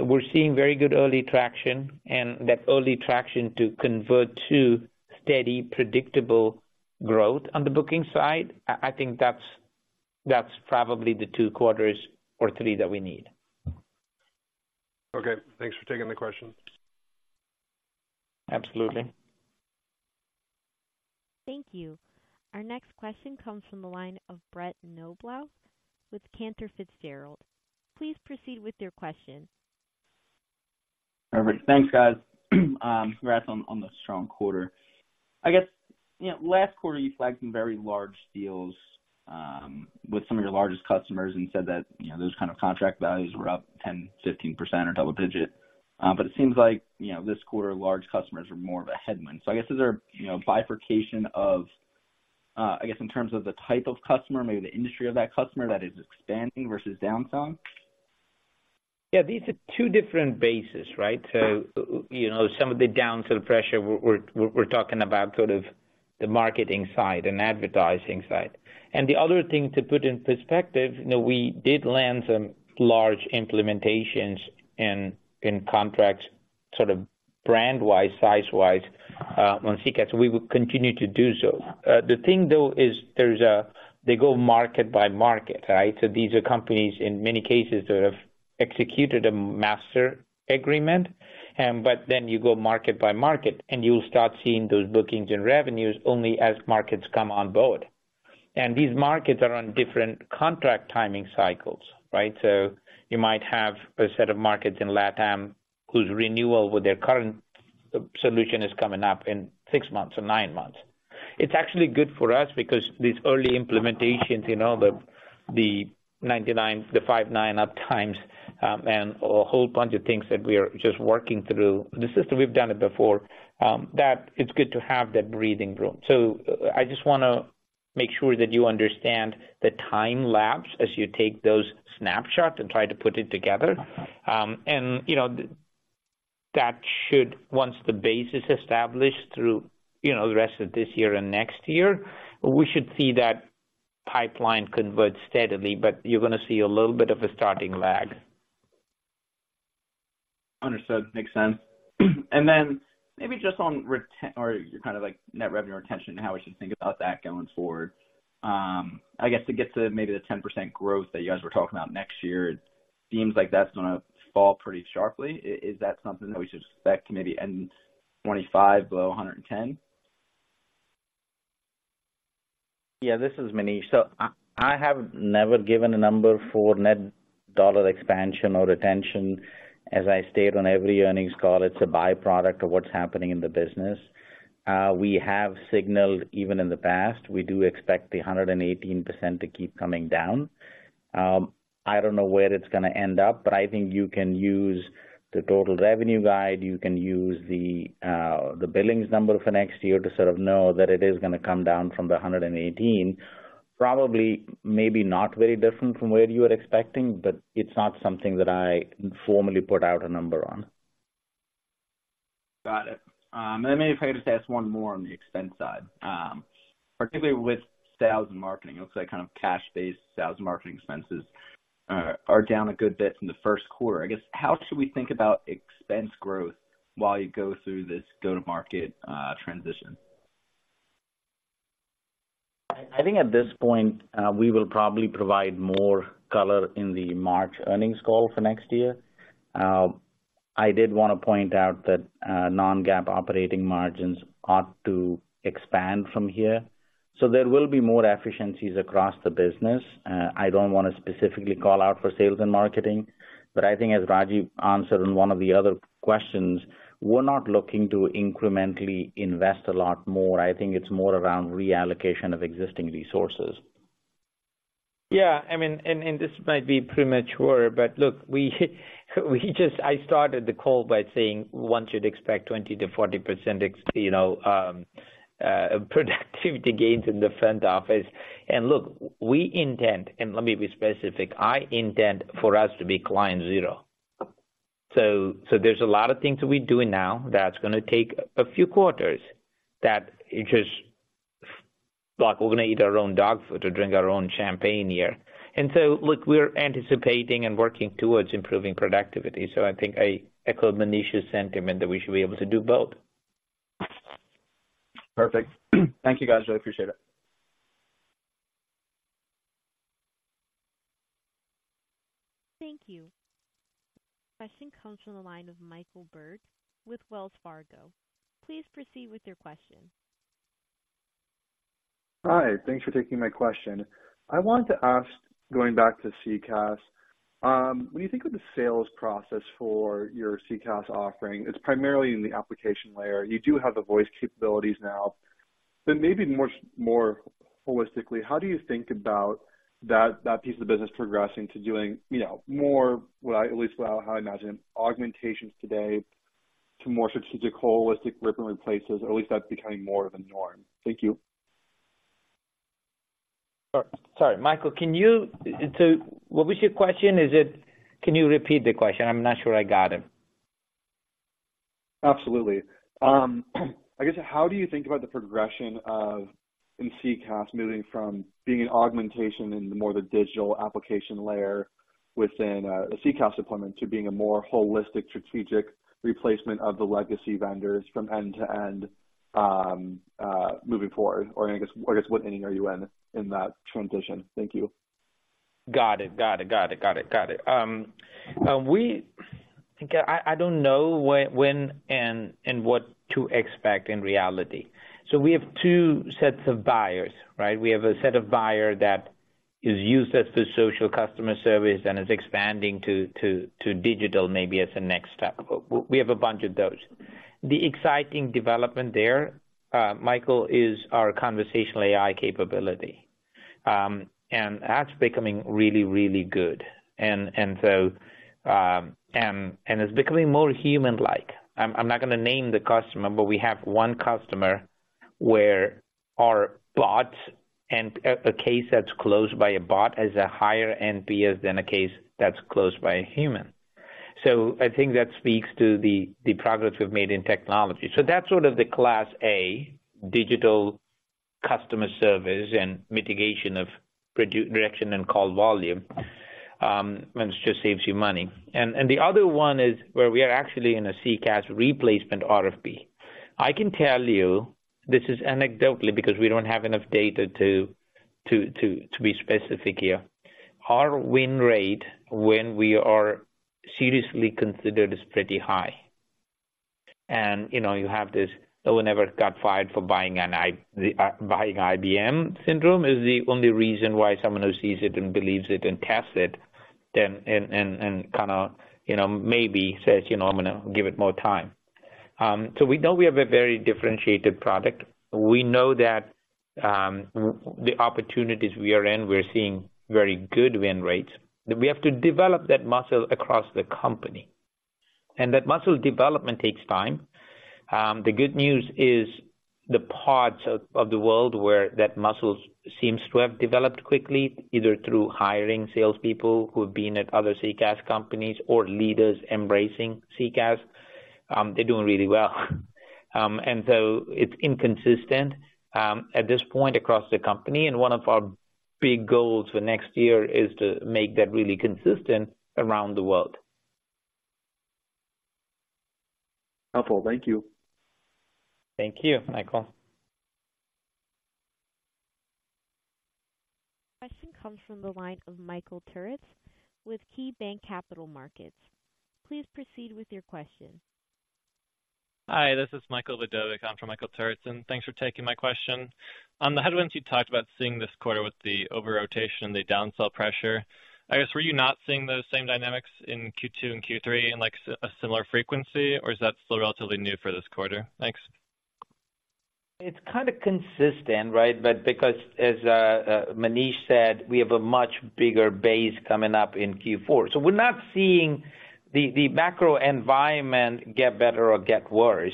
we're seeing very good early traction, and that early traction to convert to steady, predictable growth on the booking side, I think that's probably the two quarters or three that we need. Okay, thanks for taking the question. Absolutely. Thank you. Our next question comes from the line of Brett Knoblauch with Cantor Fitzgerald. Please proceed with your question. Perfect. Thanks, guys. Congrats on, on the strong quarter. I guess, you know, last quarter, you flagged some very large deals, with some of your largest customers and said that, you know, those kind of contract values were up 10, 15% or double digit. But it seems like, you know, this quarter, large customers are more of a headwind. So I guess, is there, you know, a bifurcation of, I guess, in terms of the type of customer, maybe the industry of that customer that is expanding versus downsizing?... Yeah, these are two different bases, right? So, you know, some of the downside pressure we're talking about sort of the marketing side and advertising side. And the other thing to put in perspective, you know, we did land some large implementations and contracts sort of brand-wise, size-wise, on CCaaS, we will continue to do so. The thing, though, is there's a - they go market by market, right? So these are companies in many cases that have executed a master agreement, but then you go market by market, and you'll start seeing those bookings and revenues only as markets come on board. And these markets are on different contract timing cycles, right? So you might have a set of markets in LatAm, whose renewal with their current solution is coming up in six months or nine months. It's actually good for us because these early implementations, you know, the 99, the five nines uptimes, and a whole bunch of things that we are just working through the system. We've done it before, that it's good to have that breathing room. So I just want to make sure that you understand the time lapse as you take those snapshots and try to put it together. And, you know, that should, once the base is established through, you know, the rest of this year and next year, we should see that pipeline convert steadily, but you're gonna see a little bit of a starting lag. Understood. Makes sense. And then maybe just on retention or your kind of like net revenue retention, how we should think about that going forward. I guess to get to maybe the 10% growth that you guys were talking about next year, it seems like that's gonna fall pretty sharply. Is that something that we should expect to maybe end 25 below 110? Yeah, this is Manish. So I have never given a number for net dollar expansion or retention. As I state on every earnings call, it's a by-product of what's happening in the business. We have signaled, even in the past, we do expect the 118% to keep coming down. I don't know where it's gonna end up, but I think you can use the total revenue guide. You can use the billings number for next year to sort of know that it is gonna come down from the 118%. Probably, maybe not very different from where you are expecting, but it's not something that I formally put out a number on. Got it. And then maybe if I could just ask one more on the expense side, particularly with sales and marketing. It looks like kind of cash-based sales marketing expenses are down a good bit from the first quarter. I guess, how should we think about expense growth while you go through this go-to-market transition? I think at this point, we will probably provide more color in the March earnings call for next year. I did want to point out that, non-GAAP operating margins ought to expand from here, so there will be more efficiencies across the business. I don't want to specifically call out for sales and marketing, but I think as Rajiv answered in one of the other questions, we're not looking to incrementally invest a lot more. I think it's more around reallocation of existing resources. Yeah, I mean, this might be premature, but look, we just—I started the call by saying we want you to expect 20%-40%, you know, productivity gains in the front office. And look, we intend, and let me be specific, I intend for us to be client zero. So, there's a lot of things that we're doing now that's gonna take a few quarters, that it just... Like, we're gonna eat our own dog food, to drink our own champagne here. And so look, we're anticipating and working towards improving productivity. So I think I echo Manish's sentiment that we should be able to do both. Perfect. Thank you, guys. Really appreciate it. Thank you. Question comes from the line of Michael Berg with Wells Fargo. Please proceed with your question. Hi, thanks for taking my question. I wanted to ask, going back to CCaaS, when you think of the sales process for your CCaaS offering, it's primarily in the application layer. You do have the voice capabilities now. But maybe more, more holistically, how do you think about that, that piece of the business progressing to doing, you know, more, what I at least how I imagine it, augmentations today to more strategic, holistic rip and replaces, or at least that's becoming more of a norm. Thank you. Sorry, Michael, can you -- so what was your question? Is it... Can you repeat the question? I'm not sure I got it. Absolutely. I guess, how do you think about the progression of, in CCaaS, moving from being an augmentation in more the digital application layer within a CCaaS deployment to being a more holistic, strategic replacement of the legacy vendors from end to end, moving forward? Or I guess, what inning are you in, in that transition? Thank you. Got it. Got it, got it, got it, got it. We—I don't know when and what to expect in reality. So we have two sets of buyers, right? We have a set of buyer that is used as the social customer service and is expanding to digital, maybe as a next step. We have a bunch of those. The exciting development there, Michael, is our conversational AI capability. And that's becoming really, really good. And it's becoming more human-like. I'm not gonna name the customer, but we have one customer where our bots and a case that's closed by a bot has a higher NPS than a case that's closed by a human. So I think that speaks to the progress we've made in technology. So that's sort of the class A digital customer service and mitigation of redirection and call volume, and it just saves you money. And the other one is where we are actually in a CCaaS replacement RFP. I can tell you, this is anecdotally, because we don't have enough data to be specific here. Our win rate when we are seriously considered is pretty high. And you know, you have this, "No one ever got fired for buying an IBM" syndrome, is the only reason why someone who sees it and believes it and tests it, then, and kinda, you know, maybe says, "You know, I'm gonna give it more time." So we know we have a very differentiated product. We know that, the opportunities we are in, we're seeing very good win rates, but we have to develop that muscle across the company, and that muscle development takes time. The good news is the parts of the world where that muscle seems to have developed quickly, either through hiring salespeople who have been at other CCaaS companies or leaders embracing CCaaS, they're doing really well. And so it's inconsistent, at this point across the company, and one of our big goals for next year is to make that really consistent around the world. Helpful. Thank you. Thank you, Michael. Question comes from the line of Michael Turits with KeyBanc Capital Markets. Please proceed with your question. Hi, this is Michael Vidovic. I'm from Michael Turits, and thanks for taking my question. On the headwinds you talked about seeing this quarter with the over-rotation, the down-sell pressure. I guess, were you not seeing those same dynamics in Q2 and Q3 in, like, a similar frequency, or is that still relatively new for this quarter? Thanks. It's kind of consistent, right? But because as Manish said, we have a much bigger base coming up in Q4. So we're not seeing the macro environment get better or get worse.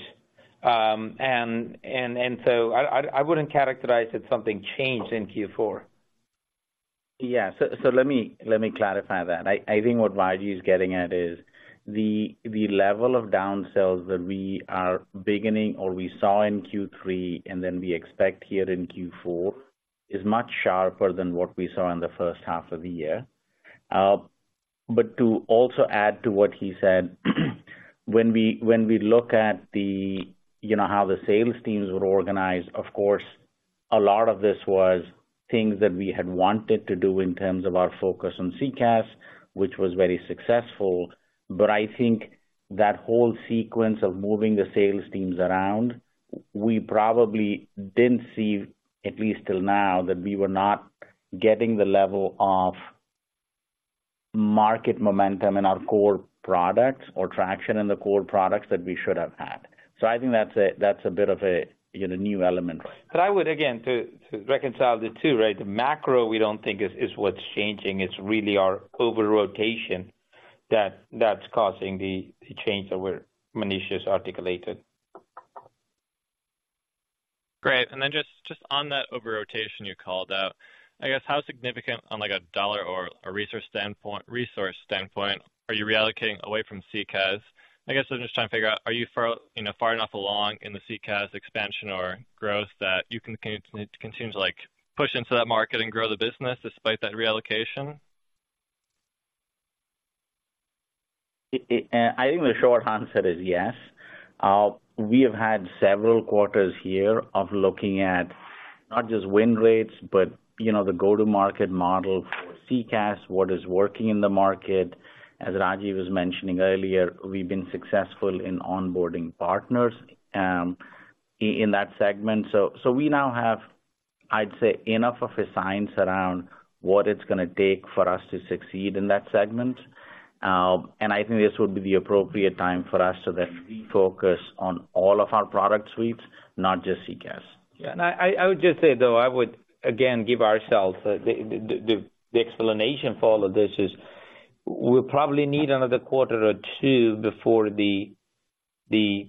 And so I wouldn't characterize that something changed in Q4. Yeah. So, let me clarify that. I think what Rajeev is getting at is, the level of downsells that we are beginning or we saw in Q3 and then we expect here in Q4, is much sharper than what we saw in the first half of the year. But to also add to what he said, when we look at the... you know, how the sales teams were organized, of course, a lot of this was things that we had wanted to do in terms of our focus on CCaaS, which was very successful. But I think that whole sequence of moving the sales teams around, we probably didn't see, at least till now, that we were not getting the level of market momentum in our core products or traction in the core products that we should have had. I think that's a bit of a, you know, new element. But I would, again, to reconcile the two, right? The macro, we don't think is what's changing. It's really our over-rotation that's causing the change that we're—Manish has articulated. Great. And then just on that over-rotation you called out, I guess, how significant on, like, a dollar or a resource standpoint, are you reallocating away from CCaaS? I guess I'm just trying to figure out, are you far, you know, far enough along in the CCaaS expansion or growth that you can continue to, like, push into that market and grow the business despite that reallocation? I think the short answer is yes. We have had several quarters here of looking at not just win rates, but you know, the go-to-market model for CCaaS, what is working in the market. As Rajeev was mentioning earlier, we've been successful in onboarding partners, in that segment. So, so we now have, I'd say, enough of a science around what it's gonna take for us to succeed in that segment. And I think this would be the appropriate time for us to then refocus on all of our product suites, not just CCaaS. Yeah. And I would just say, though, I would again give ourselves the explanation for all of this is, we'll probably need another quarter or two before the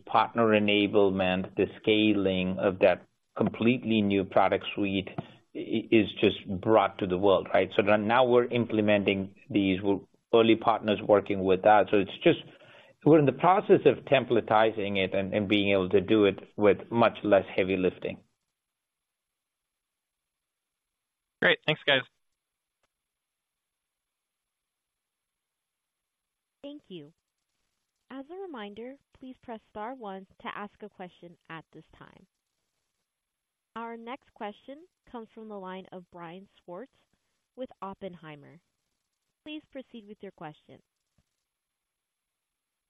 partner enablement, the scaling of that completely new product suite is just brought to the world, right? So now we're implementing these early partners working with us. So it's just... We're in the process of templatizing it and being able to do it with much less heavy lifting. Great. Thanks, guys. Thank you. As a reminder, please press star one to ask a question at this time. Our next question comes from the line of Brian Schwartz with Oppenheimer. Please proceed with your question.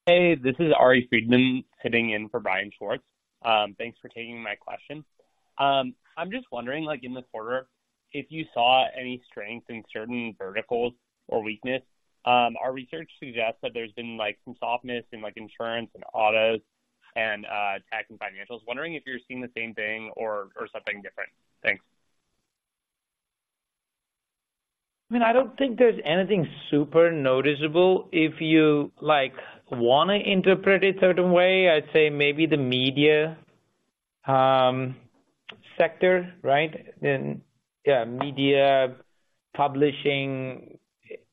Hey, this is Ari Friedman, sitting in for Brian Schwartz. Thanks for taking my question. I'm just wondering, like in the quarter, if you saw any strength in certain verticals or weakness? Our research suggests that there's been, like, some softness in, like, insurance and autos and, tech and financials. Wondering if you're seeing the same thing or, or something different. Thanks.... I mean, I don't think there's anything super noticeable. If you, like, wanna interpret it a certain way, I'd say maybe the media sector, right? Then, yeah, media, publishing,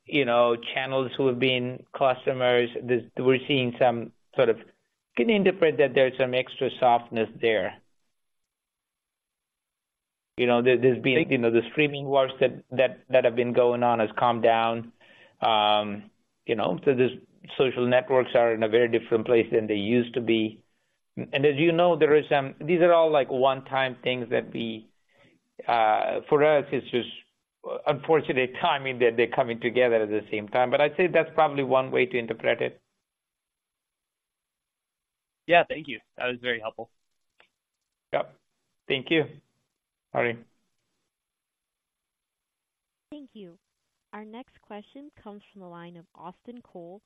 you know, channels who have been customers. We're seeing some sort of softness there. You can interpret that there's some extra softness there. You know, there, there's been, you know, the streaming wars that have been going on has calmed down. You know, so there's social networks are in a very different place than they used to be. And as you know, there is some... These are all, like, one-time things that we, for us, it's just unfortunate timing that they're coming together at the same time. But I'd say that's probably one way to interpret it. Yeah. Thank you. That was very helpful. Yep. Thank you, Ari. Thank you. Our next question comes from the line of Austin Cole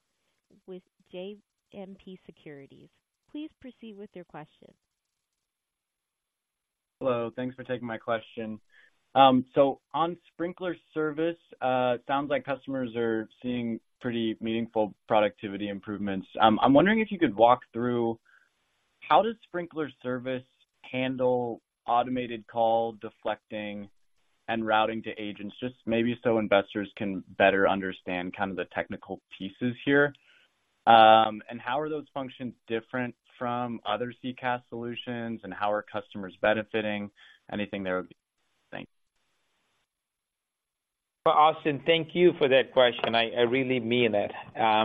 with JMP Securities. Please proceed with your question. Hello, thanks for taking my question. So on Sprinklr Service, sounds like customers are seeing pretty meaningful productivity improvements. I'm wondering if you could walk through how does Sprinklr Service handle automated call deflecting and routing to agents? Just maybe so investors can better understand kind of the technical pieces here. And how are those functions different from other CCaaS solutions, and how are customers benefiting? Anything there would be... Thanks. Austin, thank you for that question. I really mean it,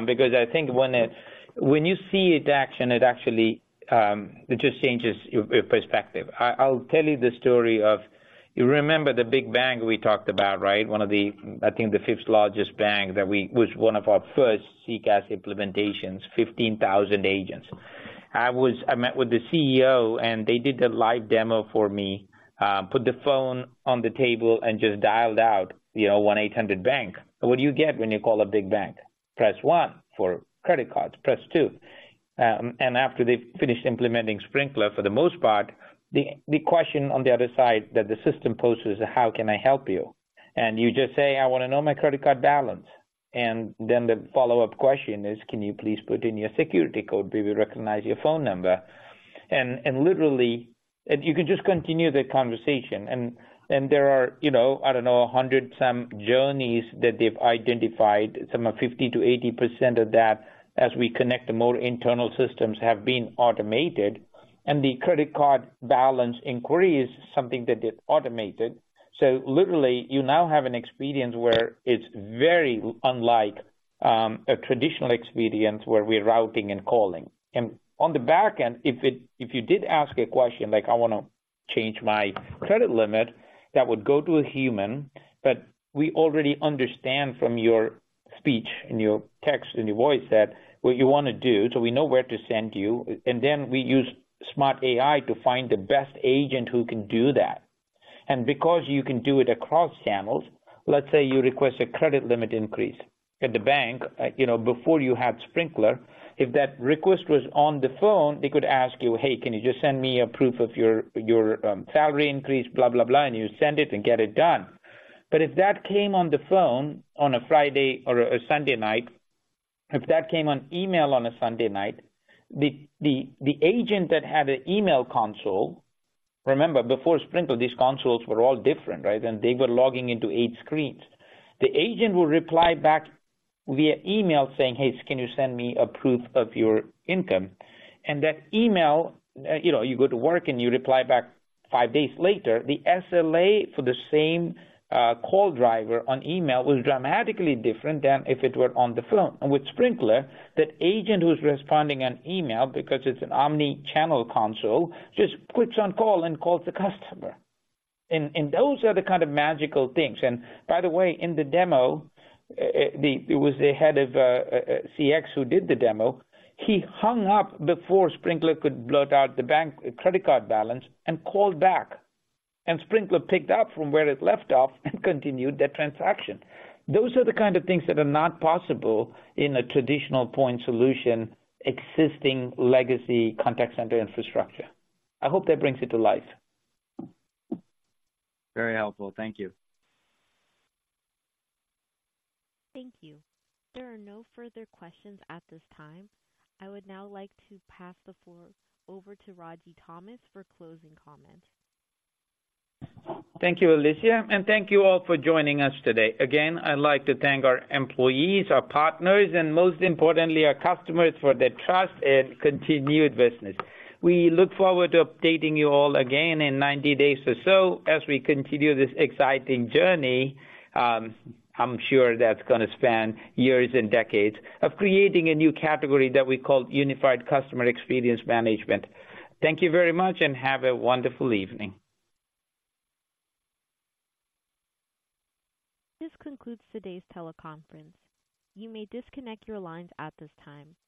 because I think when you see it in action, it actually just changes your perspective. I'll tell you the story of... You remember the big bank we talked about, right? One of the, I think, the fifth largest bank that was one of our first CCaaS implementations, 15,000 agents. I met with the CEO, and they did a live demo for me. Put the phone on the table and just dialed out, you know, 1-800 bank. What do you get when you call a big bank? Press one for credit cards, press two. And after they finished implementing Sprinklr, for the most part, the question on the other side that the system poses, "How can I help you?" And you just say, "I wanna know my credit card balance." And then the follow-up question is, "Can you please put in your security code? We will recognize your phone number." And literally, you can just continue the conversation. And there are, you know, I don't know, 100 some journeys that they've identified, some of 50%-80% of that, as we connect to more internal systems, have been automated, and the credit card balance inquiry is something that is automated. So literally, you now have an experience where it's very unlike a traditional experience where we're routing and calling. On the back end, if you did ask a question like, "I wanna change my credit limit," that would go to a human, but we already understand from your speech and your text and your voice that what you wanna do, so we know where to send you, and then we use smart AI to find the best agent who can do that. And because you can do it across channels, let's say you request a credit limit increase. At the bank, you know, before you had Sprinklr, if that request was on the phone, they could ask you: "Hey, can you just send me a proof of your salary increase?" Blah, blah, blah, and you send it and get it done. But if that came on the phone on a Friday or a Sunday night, if that came on email on a Sunday night, the agent that had an email console... Remember, before Sprinklr, these consoles were all different, right? And they were logging into eight screens. The agent will reply back via email saying, "Hey, can you send me a proof of your income?" And that email, you know, you go to work and you reply back five days later, the SLA for the same call driver on email was dramatically different than if it were on the phone. And with Sprinklr, that agent who's responding on email, because it's an omni-channel console, just clicks on call and calls the customer. And those are the kind of magical things. By the way, in the demo, it was the head of CX who did the demo. He hung up before Sprinklr could blurt out the bank credit card balance and called back, and Sprinklr picked up from where it left off and continued that transaction. Those are the kind of things that are not possible in a traditional point solution, existing legacy contact center infrastructure. I hope that brings it to life. Very helpful. Thank you. Thank you. There are no further questions at this time. I would now like to pass the floor over to Ragy Thomas for closing comments. Thank you, Alicia, and thank you all for joining us today. Again, I'd like to thank our employees, our partners, and most importantly, our customers, for their trust and continued business. We look forward to updating you all again in 90 days or so, as we continue this exciting journey. I'm sure that's gonna span years and decades of creating a new category that we call Unified Customer Experience Management. Thank you very much, and have a wonderful evening. This concludes today's teleconference. You may disconnect your lines at this time.